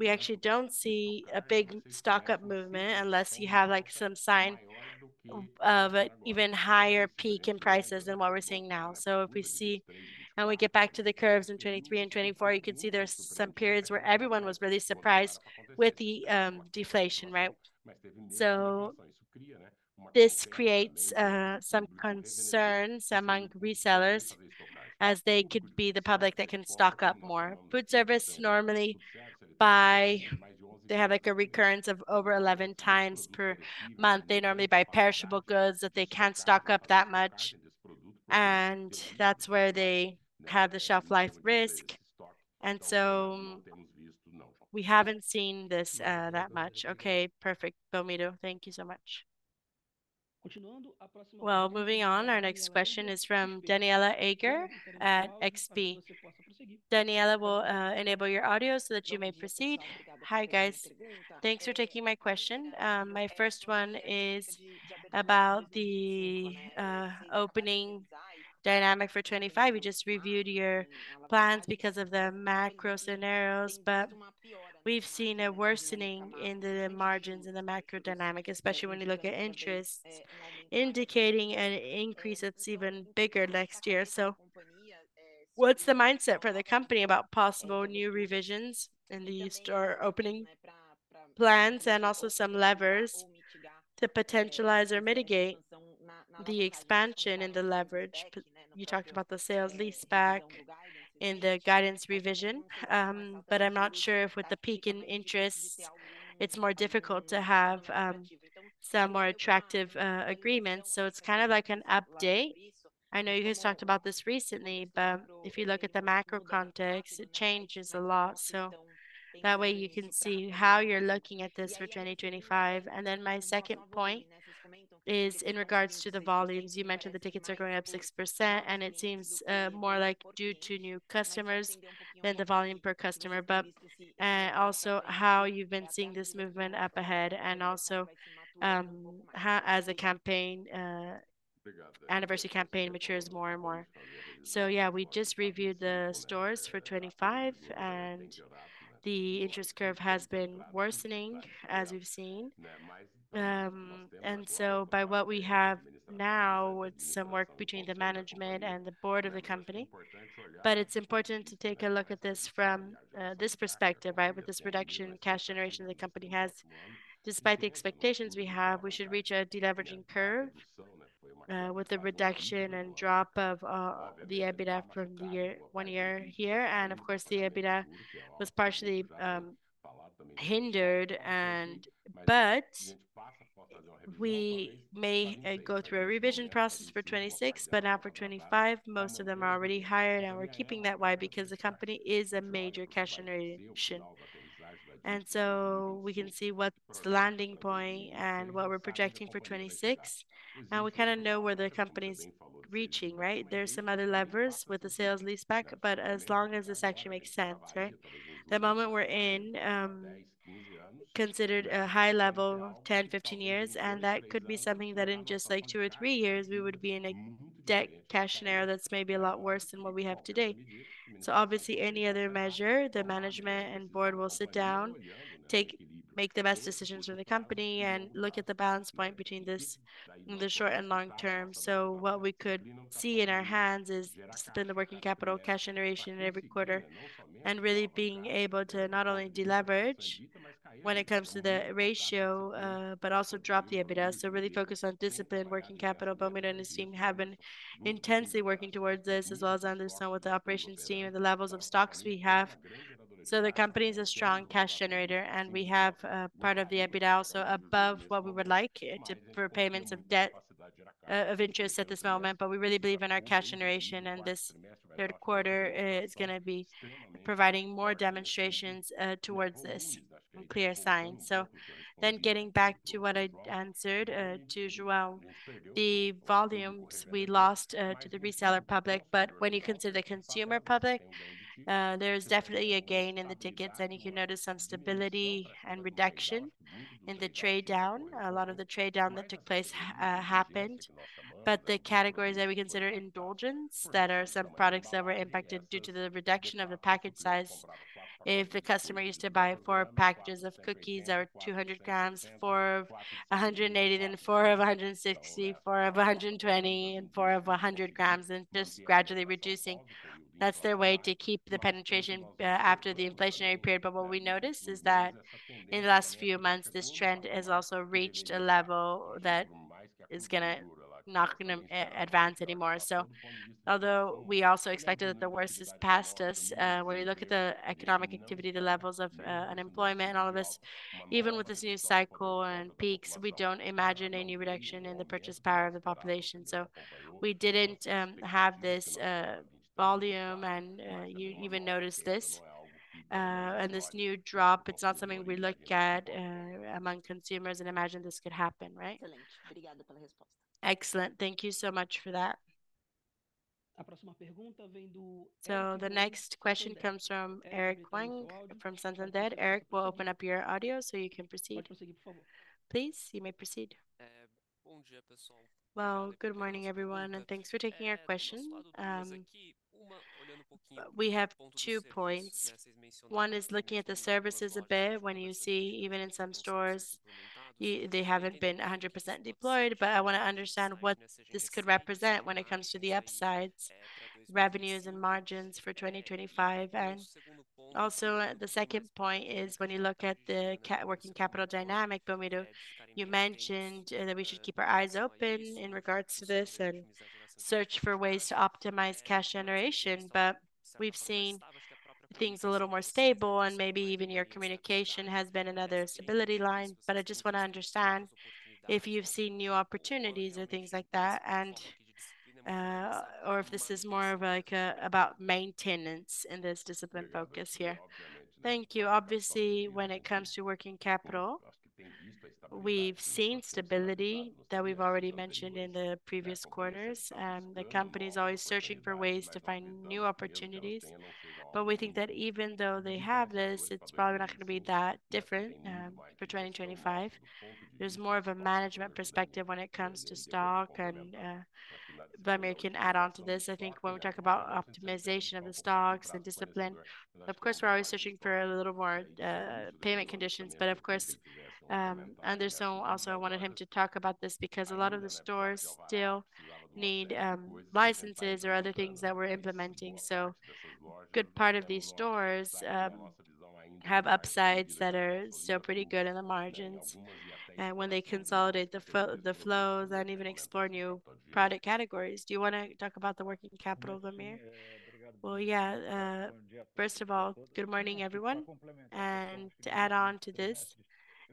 We actually don't see a big stock-up movement unless you have like some sign of an even higher peak in prices than what we're seeing now. So if we see and we get back to the curves in 2023 and 2024, you can see there's some periods where everyone was really surprised with the deflation, right? So this creates some concerns among resellers as they could be the public that can stock up more. Food service normally buy, they have like a recurrence of over 11 times per month. They normally buy perishable goods that they can't stock up that much. And that's where they have the shelf life risk. And so we haven't seen this that much. Okay, perfect. Belmiro, thank you so much. Well, moving on, our next question is from Daniela Eiger at XP. Daniela, we'll enable your audio so that you may proceed. Hi, guys. Thanks for taking my question. My first one is about the opening dynamic for 2025. We just reviewed your plans because of the macro scenarios, but we've seen a worsening in the margins in the macro dynamic, especially when you look at interest indicating an increase that's even bigger next year. So what's the mindset for the company about possible new revisions in the store opening plans and also some levers to potentialize or mitigate the expansion in the leverage? You talked about the sale and leaseback in the guidance revision, but I'm not sure if with the peak in interests, it's more difficult to have some more attractive agreements. So it's kind of like an update. I know you guys talked about this recently, but if you look at the macro context, it changes a lot. So that way, you can see how you're looking at this for 2025. And then my second point is in regards to the volumes. You mentioned the tickets are going up 6%, and it seems more like due to new customers than the volume per customer, but also how you've been seeing this movement up ahead and also as a campaign, anniversary campaign matures more and more. So yeah, we just reviewed the stores for 2025, and the interest curve has been worsening as we've seen. And so by what we have now with some work between the management and the board of the company, but it's important to take a look at this from this perspective, right? With this reduction in cash generation the company has, despite the expectations we have, we should reach a deleveraging curve with the reduction and drop of the EBITDA from the one year here. And of course, the EBITDA was partially hindered, but we may go through a revision process for 2026, but now for 2025, most of them are already hired, and we're keeping that way because the company is a major cash generation. And so we can see what's the landing point and what we're projecting for 2026. And we kind of know where the company's reaching, right? There's some other levers with the sale and leaseback, but as long as this actually makes sense, right? The moment we're in, considered a high level 10-15 years, and that could be something that in just like two or three years, we would be in a debt cash scenario that's maybe a lot worse than what we have today. So obviously, any other measure, the management and board will sit down, make the best decisions for the company, and look at the balance point between this in the short and long term. So what we could see in our hands is discipline the working capital cash generation in every quarter and really being able to not only deleverage when it comes to the ratio, but also drop the EBITDA. So really focus on discipline, working capital. Belmiro and his team have been intensely working towards this as well as understand what the operations team and the levels of stocks we have. The company is a strong cash generator, and we have part of the EBITDA also above what we would like for payments of debt of interest at this moment. But we really believe in our cash generation, and this third quarter is going to be providing more demonstrations towards this clear sign. Then getting back to what I answered to João, the volumes we lost to the reseller public, but when you consider the consumer public, there's definitely a gain in the tickets, and you can notice some stability and reduction in the trade-down. A lot of the trade-down that took place happened, but the categories that we consider indulgence, that are some products that were impacted due to the reduction of the package size. If the customer used to buy four packages of cookies that were 200 grams, four of 180, then four of 160, four of 120, and four of 100 grams, and just gradually reducing. That's their way to keep the penetration after the inflationary period, but what we noticed is that in the last few months, this trend has also reached a level that is going to not advance anymore, so although we also expected that the worst is past us, when you look at the economic activity, the levels of unemployment and all of this, even with this new cycle and peaks, we don't imagine any reduction in the purchasing power of the population, so we didn't have this volume, and you even noticed this and this new drop. It's not something we look at among consumers and imagine this could happen, right? Excellent. Thank you so much for that. So the next question comes from Eric Huang from Santander. Eric, we'll open up your audio so you can proceed. Please, you may proceed. Well, good morning, everyone, and thanks for taking our question. We have two points. One is looking at the services a bit when you see even in some stores they haven't been 100% deployed, but I want to understand what this could represent when it comes to the upsides, revenues, and margins for 2025. And also the second point is when you look at the working capital dynamic, Belmiro, you mentioned that we should keep our eyes open in regards to this and search for ways to optimize cash generation, but we've seen things a little more stable, and maybe even your communication has been another stability line. But I just want to understand if you've seen new opportunities or things like that, or if this is more of like about maintenance in this discipline focus here. Thank you. Obviously, when it comes to working capital, we've seen stability that we've already mentioned in the previous quarters. The company is always searching for ways to find new opportunities, but we think that even though they have this, it's probably not going to be that different for 2025. There's more of a management perspective when it comes to stock, and Belmiro can add on to this. I think when we talk about optimization of the stocks and discipline, of course, we're always searching for a little more payment conditions, but of course, Anderson also wanted him to talk about this because a lot of the stores still need licenses or other things that we're implementing. So a good part of these stores have upsides that are still pretty good in the margins. And when they consolidate the flows and even explore new product categories, do you want to talk about the working capital, Belmiro? Well, yeah. First of all, good morning, everyone, and to add on to this,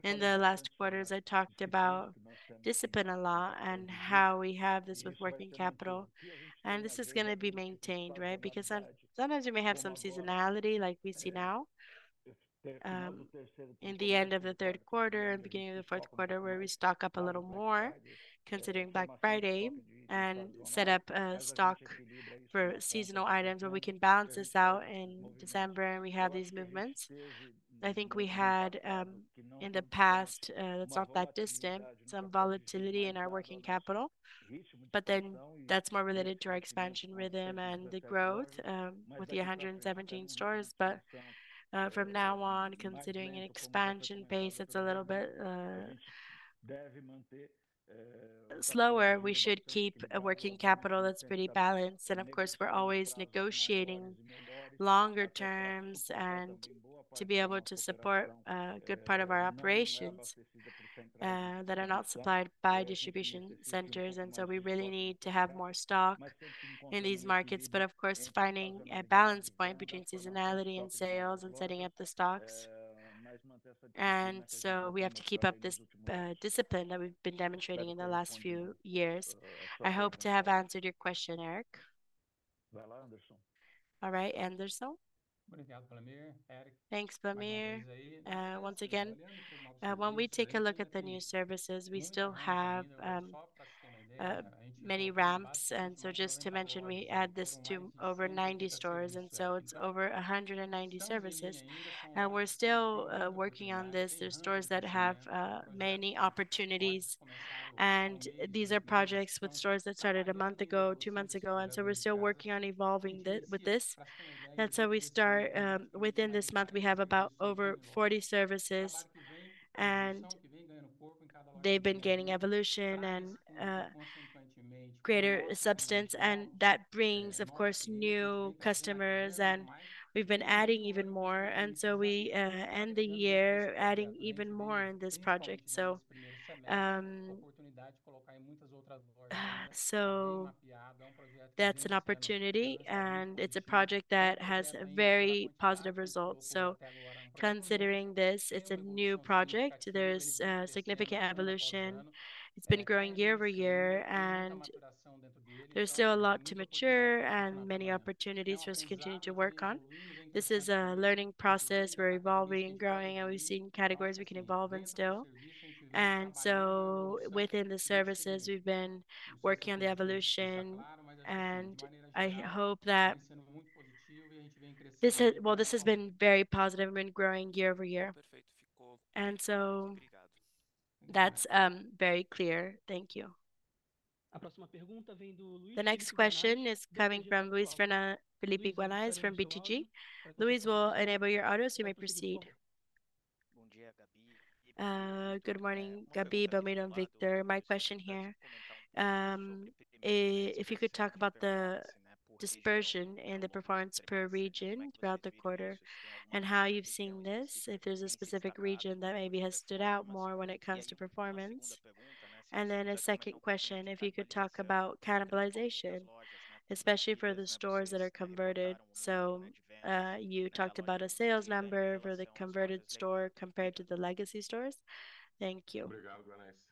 in the last quarters, I talked about discipline a lot and how we have this with working capital. And this is going to be maintained, right? Because sometimes we may have some seasonality like we see now in the end of the third quarter and beginning of the fourth quarter where we stock up a little more considering Black Friday and set up a stock for seasonal items where we can balance this out in December and we have these movements. I think we had in the past, that's not that distant, some volatility in our working capital, but then that's more related to our expansion rhythm and the growth with the 117 stores, but from now on, considering an expansion pace that's a little bit slower, we should keep a working capital that's pretty balanced, and of course, we're always negotiating longer terms and to be able to support a good part of our operations that are not supplied by distribution centers, and so we really need to have more stock in these markets, but of course, finding a balance point between seasonality and sales and setting up the stocks, and so we have to keep up this discipline that we've been demonstrating in the last few years. I hope to have answered your question, Eric. All right, Anderson. Thanks, Belmiro. Once again, when we take a look at the new services, we still have many ramps, and so just to mention, we add this to over 90 stores, and so it's over 190 services, and we're still working on this. There's stores that have many opportunities, and these are projects with stores that started a month ago, two months ago, and so we're still working on evolving with this, and so we start within this month, we have about over 40 services, and they've been gaining evolution and greater substance, and that brings, of course, new customers, and we've been adding even more, and so we end the year adding even more in this project, so that's an opportunity, and it's a project that has very positive results, so considering this, it's a new project. There's significant evolution. It's been growing year-over-year, and there's still a lot to mature and many opportunities for us to continue to work on. This is a learning process. We're evolving, growing, and we've seen categories we can evolve in still. And so within the services, we've been working on the evolution, and I hope that this has been very positive and been growing year-over-year. And so that's very clear. Thank you. The next question is coming from Luiz Guanais from BTG. Luiz, we'll enable your audio, so you may proceed. Good morning, Gabi, Belmiro, and Victor. My question here, if you could talk about the dispersion and the performance per region throughout the quarter and how you've seen this, if there's a specific region that maybe has stood out more when it comes to performance. Then a second question, if you could talk about cannibalization, especially for the stores that are converted. So you talked about a sales number for the converted store compared to the legacy stores. Thank you. Thank you,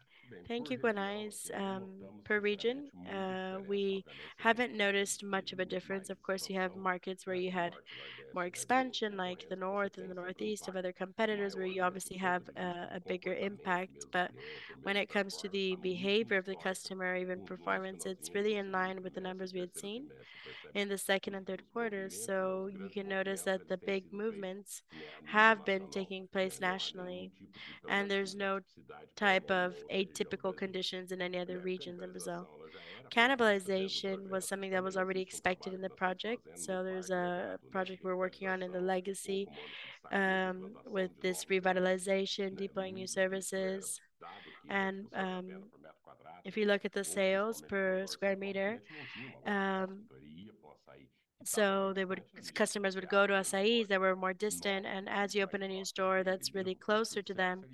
Guanais. Per region, we haven't noticed much of a difference. Of course, you have markets where you had more expansion, like the north and the northeast of other competitors, where you obviously have a bigger impact. But when it comes to the behavior of the customer, even performance, it's really in line with the numbers we had seen in the second and third quarters. So you can notice that the big movements have been taking place nationally, and there's no type of atypical conditions in any other regions in Brazil. Cannibalization was something that was already expected in the project. There's a project we're working on in the legacy with this revitalization, deploying new services. If you look at the sales per square meter, customers would go to Assaís that were more distant. As you open a new store that's really closer to them,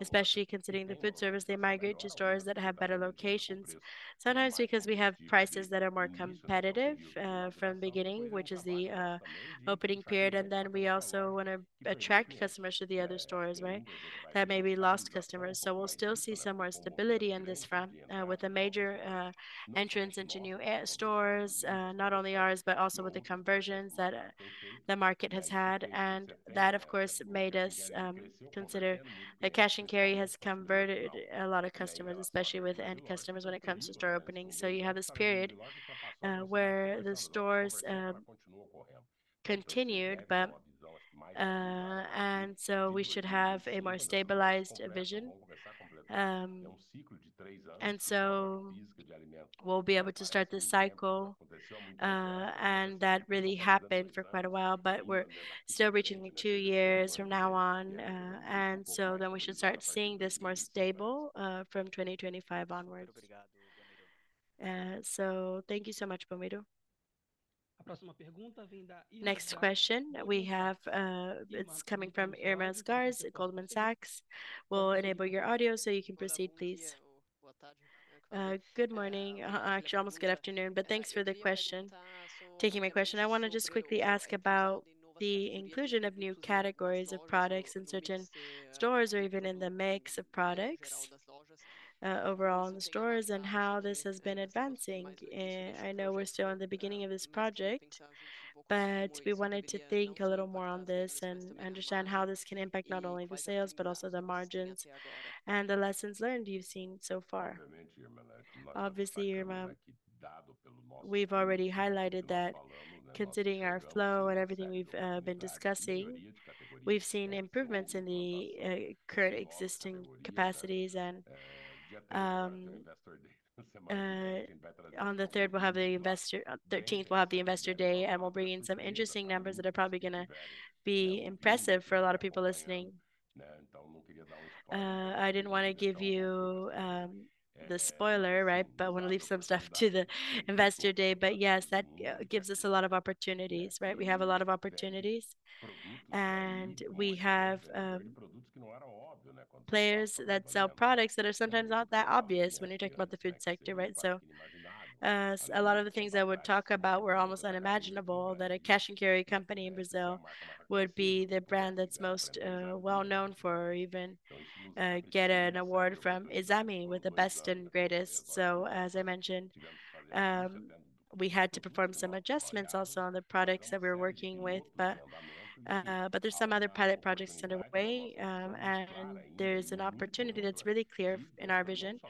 especially considering the food service, they migrate to stores that have better locations. Sometimes because we have prices that are more competitive from the beginning, which is the opening period. Then we also want to attract customers to the other stores, right? That may be lost customers. We'll still see some more stability on this front with a major entrance into new stores, not only ours, but also with the conversions that the market has had. And that, of course, made us cash and carry has converted a lot of customers, especially with end customers when it comes to store openings. So you have this period where the stores continued, but and so we should have a more stabilized vision. And so we'll be able to start this cycle, and that really happened for quite a while, but we're still reaching two years from now on. And so then we should start seeing this more stable from 2025 onwards. So thank you so much, Belmiro. Next question we have, it's coming from Irma Sgarz at Goldman Sachs. We'll enable your audio so you can proceed, please. Good morning. Actually, almost good afternoon, but thanks for the question. Taking my question, I want to just quickly ask about the inclusion of new categories of products in certain stores or even in the mix of products overall in the stores and how this has been advancing. I know we're still in the beginning of this project, but we wanted to think a little more on this and understand how this can impact not only the sales, but also the margins and the lessons learned you've seen so far. Obviously, we've already highlighted that considering our flow and everything we've been discussing, we've seen improvements in the current existing capacities, and on the 3rd, we'll have the Investor Day, and we'll bring in some interesting numbers that are probably going to be impressive for a lot of people listening. I didn't want to give you the spoiler, right, but I want to leave some stuff to the investor day. But yes, that gives us a lot of opportunities, right? We have a lot of opportunities, and we have players that sell products that are sometimes not that obvious when you're talking about the food sector, right? So a lot of the things I would talk about were almost unimaginable cash and carry company in Brazil would be the brand that's most well-known for or even get an award from Exame with the best and greatest. So as I mentioned, we had to perform some adjustments also on the products that we were working with, but there's some other pilot projects underway, and there's an opportunity that's really clear in our vision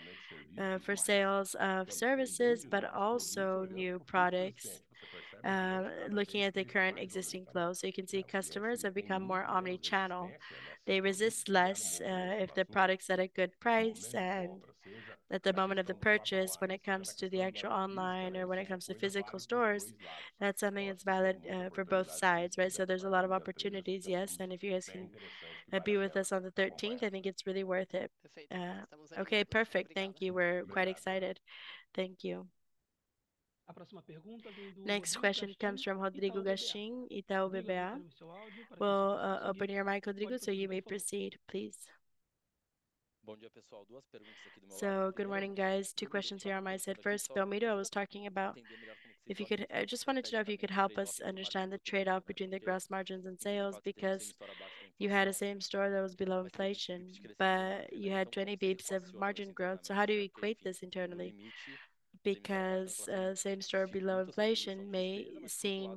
for sales of services, but also new products looking at the current existing flow. So you can see customers have become more omnichannel. They resist less if the products are at a good price and at the moment of the purchase, when it comes to the actual online or when it comes to physical stores, that's something that's valid for both sides, right? So there's a lot of opportunities, yes. And if you guys can be with us on the 13th, I think it's really worth it. Okay, perfect. Thank you. We're quite excited. Thank you. Next question comes from Rodrigo Gachin, Itaú BBA. We'll open your mic, Rodrigo, so you may proceed, please. So good morning, guys. Two questions here on my side. First, Belmiro, I was talking about if you could. I just wanted to know if you could help us understand the trade-off between the gross margins and sales because you had a same store that was below inflation, but you had 20 basis points of margin growth. So how do you equate this internally? Because a same store below inflation may seem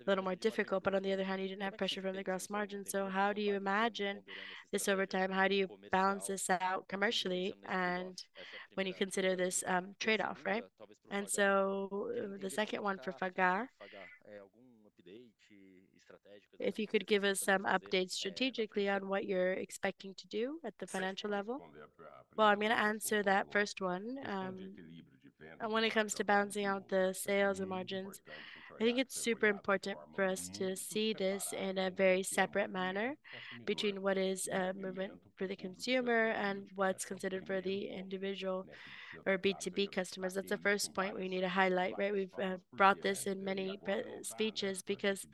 a little more difficult, but on the other hand, you didn't have pressure from the gross margin. So how do you imagine this over time? How do you balance this out commercially when you consider this trade-off, right? And so the second one for Fagá, if you could give us some updates strategically on what you're expecting to do at the financial level. Well, I'm going to answer that first one. When it comes to balancing out the sales and margins, I think it's super important for us to see this in a very separate manner between what is a movement for the consumer and what's considered for the individual or B2B customers. That's the first point we need to highlight, right? We've brought this in many speeches because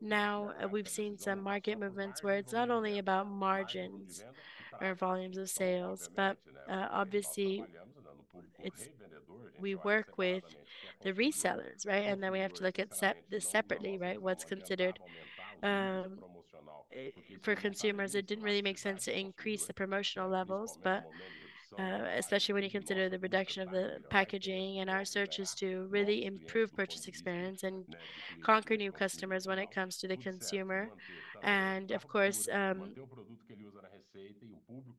now we've seen some market movements where it's not only about margins or volumes of sales, but obviously we work with the resellers, right? And then we have to look at this separately, right? What's considered for consumers? It didn't really make sense to increase the promotional levels, but especially when you consider the reduction of the packaging and our search is to really improve purchase experience and conquer new customers when it comes to the consumer. And of course,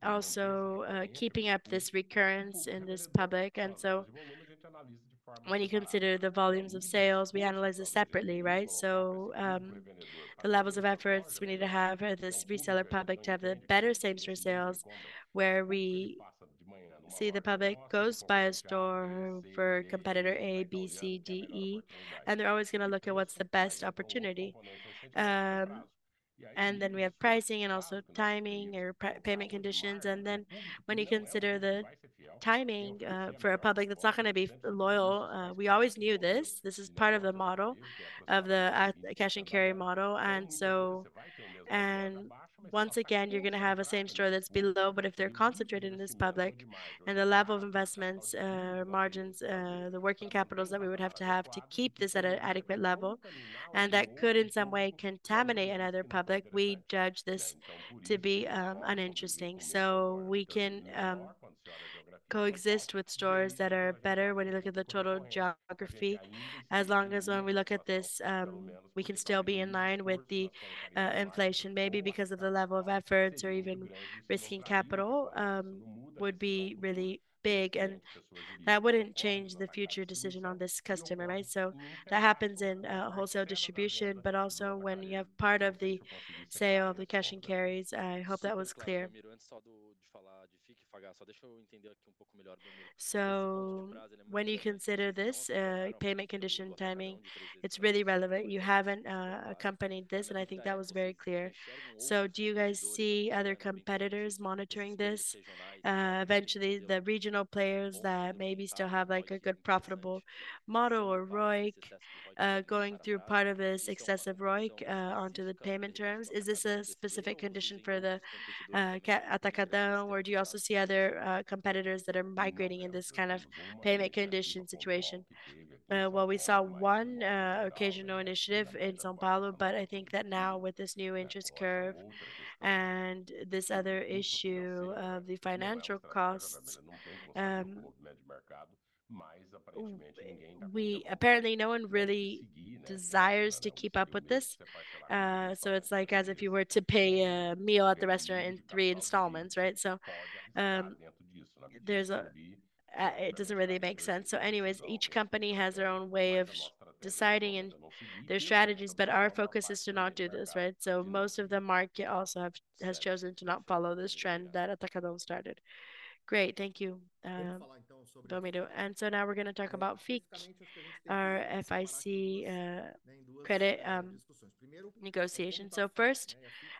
also keeping up this recurrence in this public. And so when you consider the volumes of sales, we analyze it separately, right? So the levels of efforts we need to have for this reseller public to have the better same store sales where we see the public goes by a store for competitor A, B, C, D, E, and they're always going to look at what's the best opportunity. And then we have pricing and also timing or payment conditions. And then when you consider the timing for a public that's not going to be loyal, we always knew this. This is part of the model the cash and carry model. And so, once again, you're going to have a same store that's below, but if they're concentrated in this public and the level of investments, margins, the working capitals that we would have to have to keep this at an adequate level, and that could in some way contaminate another public, we judge this to be uninteresting, so we can coexist with stores that are better when you look at the total geography. As long as when we look at this, we can still be in line with the inflation, maybe because of the level of efforts or even risking capital would be really big, and that wouldn't change the future decision on this customer, right, so that happens in wholesale distribution, but also when you have part of the sale of the cash and carries. I hope that was clear. When you consider this payment condition timing, it's really relevant. You haven't accompanied this, and I think that was very clear. Do you guys see other competitors monitoring this? Eventually, the regional players that maybe still have like a good profitable model or ROIC going through part of this excessive ROIC onto the payment terms. Is this a specific condition for the Atacadão, or do you also see other competitors that are migrating in this kind of payment condition situation? Well, we saw one occasional initiative in São Paulo, but I think that now with this new interest curve and this other issue of the financial costs, we apparently no one really desires to keep up with this. It's like as if you were to pay a meal at the restaurant in three installments, right? It doesn't really make sense. Anyways, each company has their own way of deciding and their strategies, but our focus is to not do this, right? Most of the market also has chosen to not follow this trend that Atacadão started. Great. Thank you, Belmiro. Now we're going to talk about FIC, our FIC credit negotiation. First,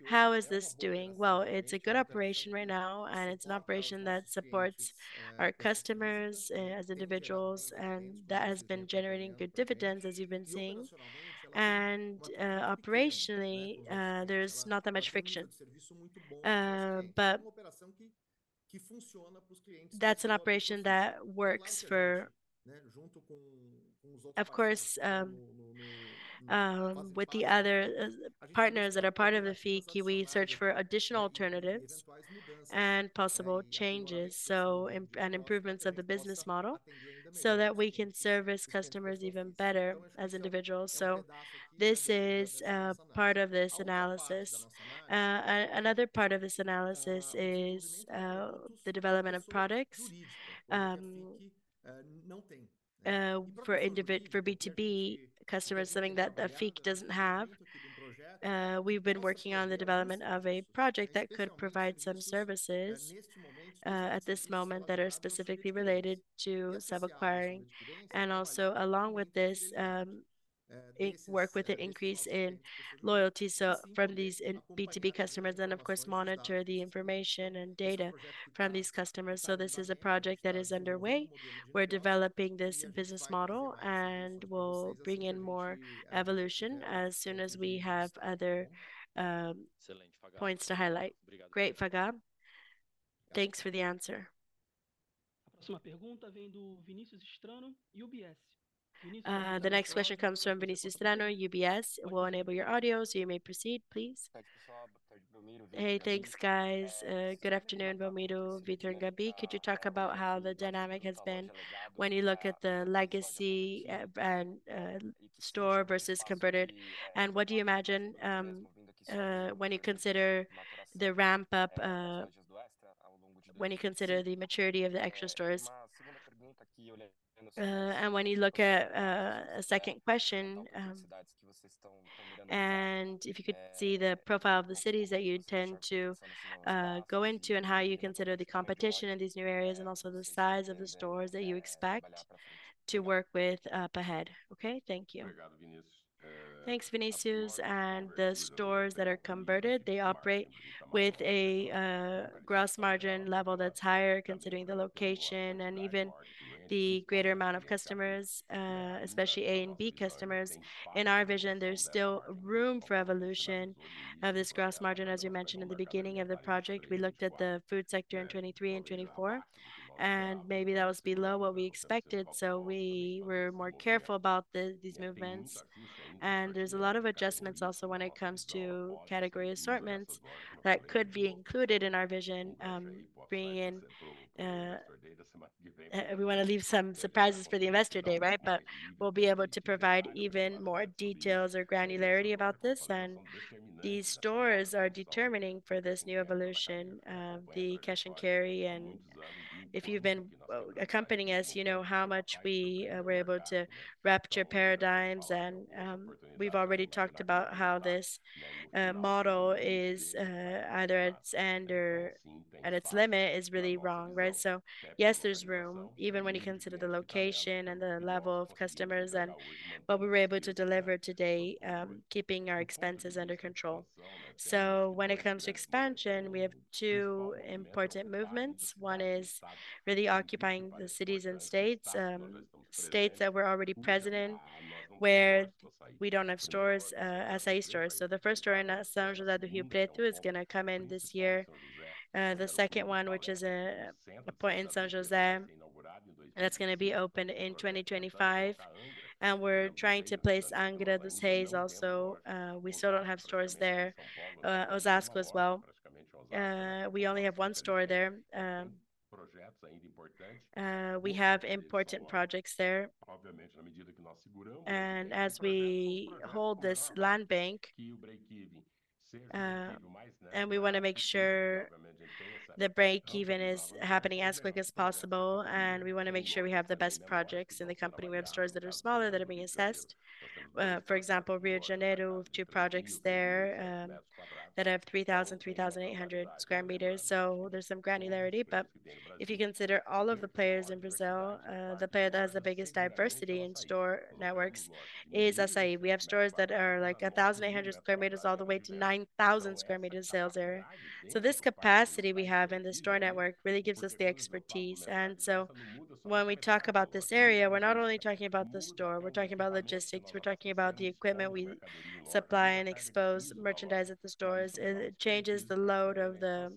how is this doing? It's a good operation right now, and it's an operation that supports our customers as individuals, and that has been generating good dividends, as you've been seeing. Operationally, there's not that much friction. That's an operation that works for, of course, with the other partners that are part of the FIC, we search for additional alternatives and possible changes and improvements of the business model so that we can service customers even better as individuals. This is part of this analysis. Another part of this analysis is the development of products for B2B customers, something that the FIC doesn't have. We've been working on the development of a project that could provide some services at this moment that are specifically related to subacquiring. And also along with this, work with the increase in loyalty from these B2B customers and, of course, monitor the information and data from these customers. So this is a project that is underway. We're developing this business model and will bring in more evolution as soon as we have other points to highlight. Great, Fagá. Thanks for the answer. The next question comes from Vinicius Strano, UBS. We'll enable your audio, so you may proceed, please. Hey, thanks, guys. Good afternoon, Belmiro. Vitor Fagá, could you talk about how the dynamic has been when you look at the legacy store versus converted? And what do you imagine when you consider the ramp-up, when you consider the maturity of the Extra stores? And when you look at a second question, and if you could see the profile of the cities that you tend to go into and how you consider the competition in these new areas and also the size of the stores that you expect to work with up ahead. Okay, thank you. Thanks, Vinicius. And the stores that are converted, they operate with a gross margin level that's higher considering the location and even the greater amount of customers, especially A and B customers. In our vision, there's still room for evolution of this gross margin. As you mentioned in the beginning of the project, we looked at the food sector in 2023 and 2024, and maybe that was below what we expected. So we were more careful about these movements. And there's a lot of adjustments also when it comes to category assortments that could be included in our vision, we want to leave some surprises for the investor day, right?, but we'll be able to provide even more details or granularity about this, and these stores are determining for this new cash and carry, and if you've been accompanying us, you know how much we were able to rupture paradigms, and we've already talked about how this model is either at its end or at its limit is really wrong, right?, so yes, there's room, even when you consider the location and the level of customers and what we were able to deliver today, keeping our expenses under control, so when it comes to expansion, we have two important movements. One is really occupying the cities and states, states that we're already present in where we don't have stores, Assaí stores. So the first store in São José do Rio Preto is going to come in this year. The second one, which is a point in São José, that's going to be open in 2025. And we're trying to place Angra dos Reis also. We still don't have stores there. Osasco as well. We only have one store there. We have important projects there. And as we hold this land bank, we want to make sure the break even is happening as quick as possible. And we want to make sure we have the best projects in the company. We have stores that are smaller that are being assessed. For example, Rio de Janeiro, two projects there that have 3,000-3,800 square meters. So there's some granularity. But if you consider all of the players in Brazil, the player that has the biggest diversity in store networks is Assaí. We have stores that are like 1,800 square meters all the way to 9,000 square meters sales area. So this capacity we have in the store network really gives us the expertise. And so when we talk about this area, we're not only talking about the store, we're talking about logistics, we're talking about the equipment we supply and expose merchandise at the stores. It changes the load of the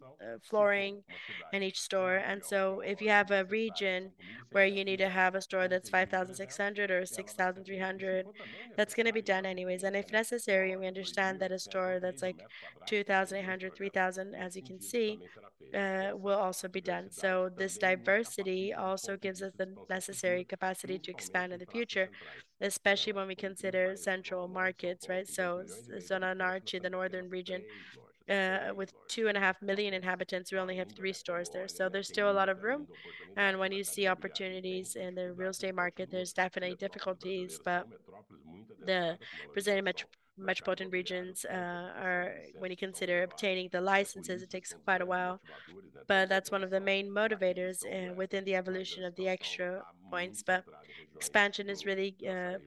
flooring in each store. And so if you have a region where you need to have a store that's 5,600 or 6,300, that's going to be done anyways. And if necessary, we understand that a store that's like 2,800, 3,000, as you can see, will also be done. So this diversity also gives us the necessary capacity to expand in the future, especially when we consider central markets, right? So Zona Norte, the northern region, with two and a half million inhabitants, we only have three stores there. So there's still a lot of room. And when you see opportunities in the real estate market, there's definitely difficulties. But the Brazilian metropolitan regions, when you consider obtaining the licenses, it takes quite a while. But that's one of the main motivators within the evolution of the Extra points. But expansion is really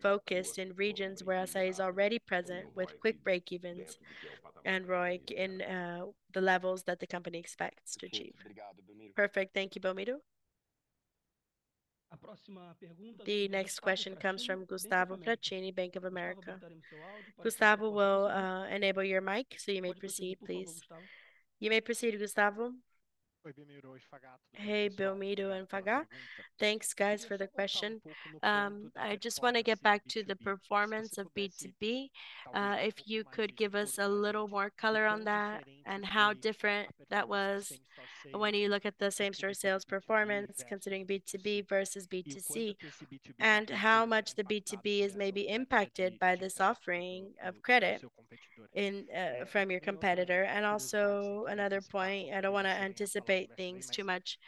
focused in regions where Assaí is already present with quick break-evens and ROIC in the levels that the company expects to achieve. Perfect. Thank you, Belmiro. The next question comes from Gustavo Fratini, Bank of America. Gustavo, we'll enable your mic so you may proceed, please. You may proceed, Gustavo. Hey, Belmiro and Fagá. Thanks, guys, for the question. I just want to get back to the performance of B2B. If you could give us a little more color on that and how different that was when you look at the same store sales performance considering B2B versus B2C and how much the B2B is maybe impacted by this offering of credit from your competitor? And also another point, I don't want to anticipate things too much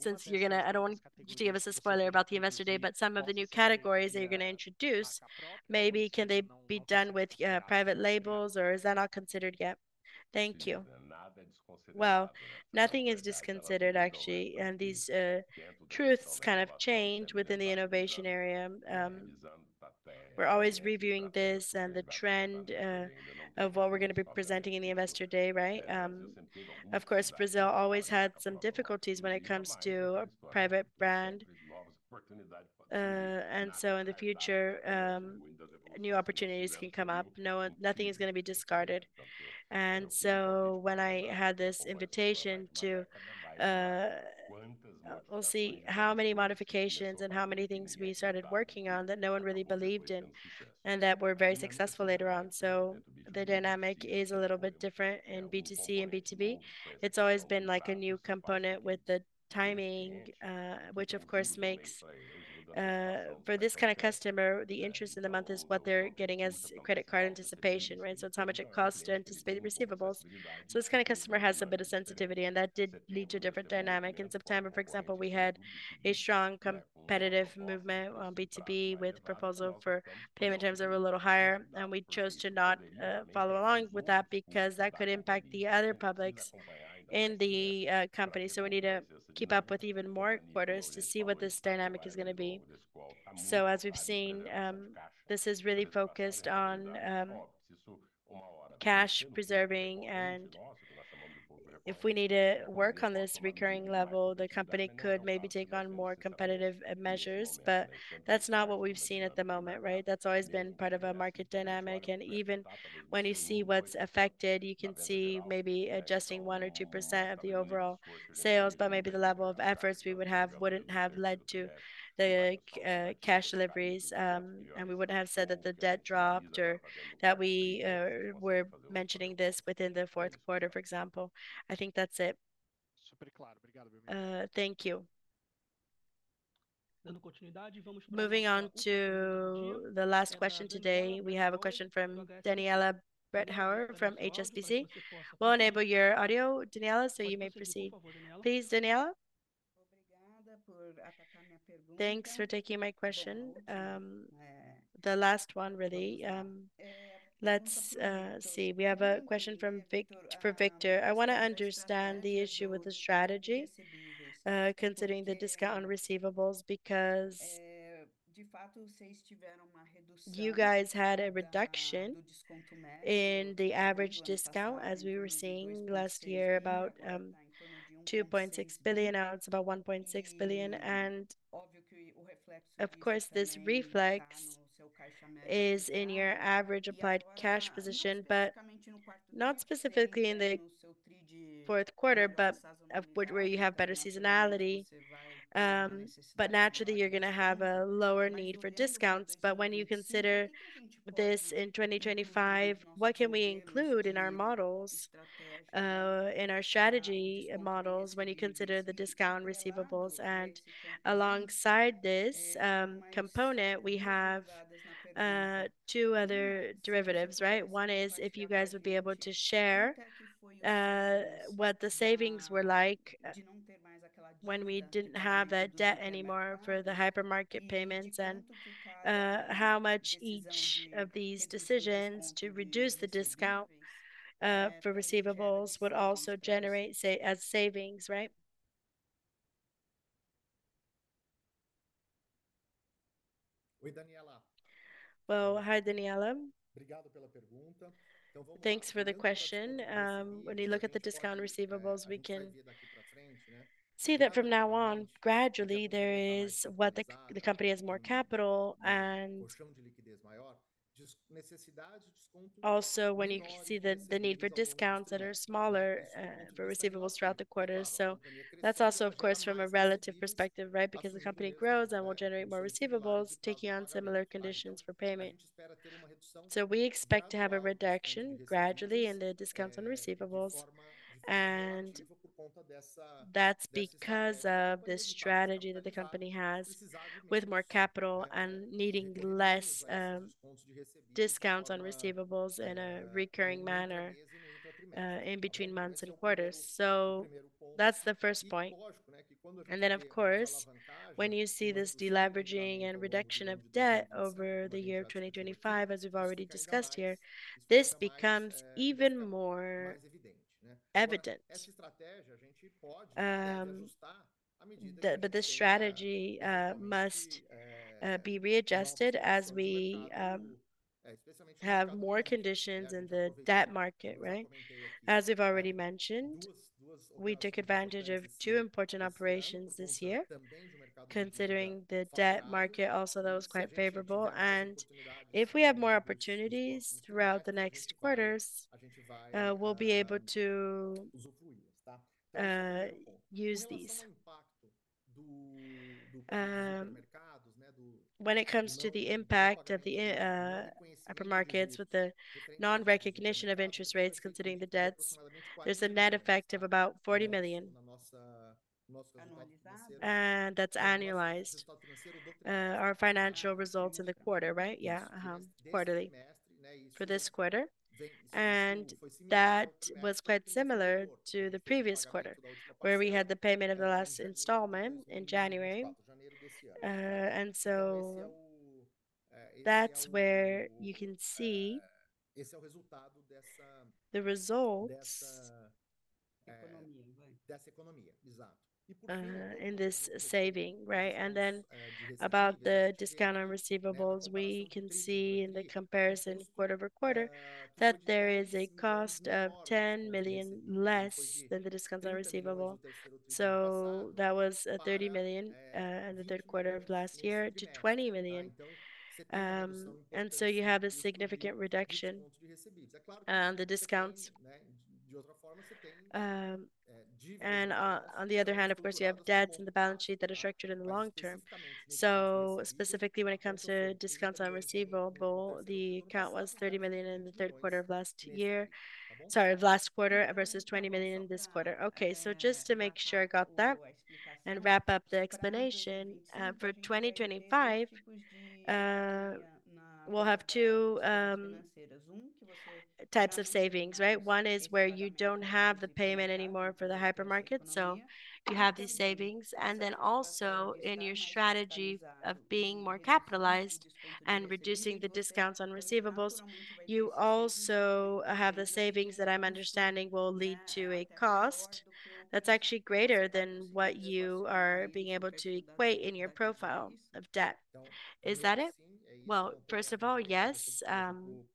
since you're going to, I don't want you to give us a spoiler about the investor day, but some of the new categories that you're going to introduce, maybe can they be done with private labels or is that not considered yet? Thank you. Well, nothing is dismissed, actually. And these trends kind of change within the innovation area. We're always reviewing this and the trend of what we're going to be presenting in the investor day, right? Of course, Brazil always had some difficulties when it comes to private brand, and so in the future, new opportunities can come up. Nothing is going to be discarded, and so when I had this invitation to, we'll see how many modifications and how many things we started working on that no one really believed in and that were very successful later on, so the dynamic is a little bit different in B2C and B2B. It's always been like a new component with the timing, which of course makes for this kind of customer, the interest in the month is what they're getting as credit card anticipation, right, so it's how much it costs to anticipate the receivables. So this kind of customer has a bit of sensitivity and that did lead to a different dynamic. In September, for example, we had a strong competitive movement on B2B with a proposal for payment terms that were a little higher. And we chose to not follow along with that because that could impact the other publics in the company. So we need to keep up with even more quarters to see what this dynamic is going to be. So as we've seen, this is really focused on cash preserving. And if we need to work on this recurring level, the company could maybe take on more competitive measures, but that's not what we've seen at the moment, right? That's always been part of a market dynamic. Even when you see what's affected, you can see maybe adjusting 1% or 2% of the overall sales, but maybe the level of efforts we would have wouldn't have led to the cash deliveries. We wouldn't have said that the debt dropped or that we were mentioning this within the fourth quarter, for example. I think that's it. Thank you. Moving on to the last question today, we have a question from Daniela Bretthauer from HSBC. We'll enable your audio, Daniela, so you may proceed. Please, Daniela. Thanks for taking my question. The last one, really. Let's see. We have a question from Vitor. I want to understand the issue with the strategy considering the discount on receivables because you guys had a reduction in the average discount as we were seeing last year about 2.6 billion. Now it's about 1.6 billion. Of course, this reflex is in your average applied cash position, but not specifically in the fourth quarter, but where you have better seasonality. But naturally, you're going to have a lower need for discounts. But when you consider this in 2025, what can we include in our models, in our strategy models when you consider the discount receivables? And alongside this component, we have two other derivatives, right? One is if you guys would be able to share what the savings were like when we didn't have that debt anymore for the hypermarket payments and how much each of these decisions to reduce the discount for receivables would also generate as savings, right? Well, hi, Daniela. Thanks for the question. When you look at the discount receivables, we can see that from now on, gradually, there is what the company has more capital and also when you see the need for discounts that are smaller for receivables throughout the quarters. So that's also, of course, from a relative perspective, right? Because the company grows and will generate more receivables taking on similar conditions for payment. So we expect to have a reduction gradually in the discounts on receivables. And that's because of the strategy that the company has with more capital and needing less discounts on receivables in a recurring manner in between months and quarters. So that's the first point. And then, of course, when you see this deleveraging and reduction of debt over the year 2025, as we've already discussed here, this becomes even more evident. This strategy must be readjusted as we have more conditions in the debt market, right? As we've already mentioned, we took advantage of two important operations this year, considering the debt market also that was quite favorable. If we have more opportunities throughout the next quarters, we'll be able to use these. When it comes to the impact of the upper markets with the non-recognition of interest rates considering the debts, there's a net effect of about 40 million. That's annualized our financial results in the quarter, right? Yeah, quarterly for this quarter. That was quite similar to the previous quarter where we had the payment of the last installment in January. So that's where you can see the result in this saving, right? And then, about the discount on receivables, we can see in the comparison quarter over quarter that there is a cost of 10 million less than the discount on receivables. So that was 30 million in the third quarter of last year to 20 million. And so you have a significant reduction in the discounts. And on the other hand, of course, you have debts in the balance sheet that are structured in the long term. So specifically when it comes to discounts on receivables, the account was 30 million in the third quarter of last year. Sorry, last quarter versus 20 million this quarter. Okay, so just to make sure I got that and wrap up the explanation, for 2025, we'll have two types of savings, right? One is where you don't have the payment anymore for the hypermarket. So you have these savings. And then also in your strategy of being more capitalized and reducing the discounts on receivables, you also have the savings that I'm understanding will lead to a cost that's actually greater than what you are being able to equate in your profile of debt. Is that it? Well, first of all, yes,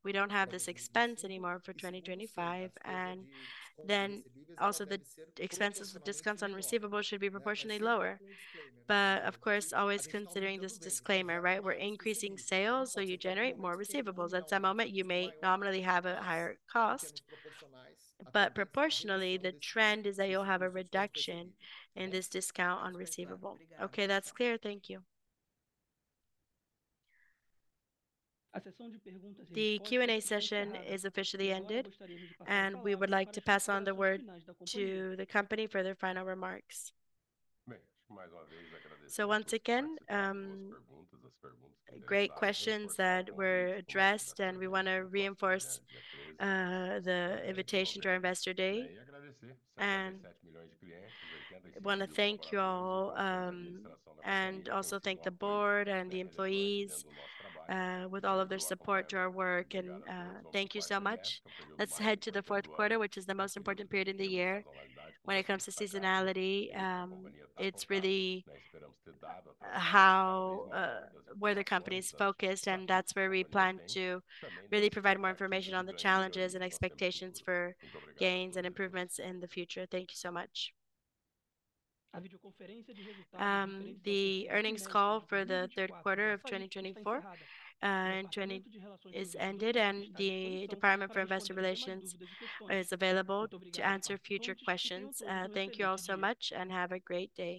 we don't have this expense anymore for 2025. And then also the expenses with discounts on receivables should be proportionately lower. But of course, always considering this disclaimer, right? We're increasing sales, so you generate more receivables. At some moment, you may nominally have a higher cost, but proportionately, the trend is that you'll have a reduction in this discount on receivable. Okay, that's clear. Thank you. The Q&A session is officially ended, and we would like to pass on the word to the company for their final remarks. So once again, great questions that were addressed, and we want to reinforce the invitation to our investor day. I want to thank you all and also thank the board and the employees with all of their support to our work. And thank you so much. Let's head to the fourth quarter, which is the most important period in the year. When it comes to seasonality, it's really how where the company is focused, and that's where we plan to really provide more information on the challenges and expectations for gains and improvements in the future. Thank you so much. The earnings call for the third quarter of 2024 is ended, and the Department for Investor Relations is available to answer future questions. Thank you all so much and have a great day.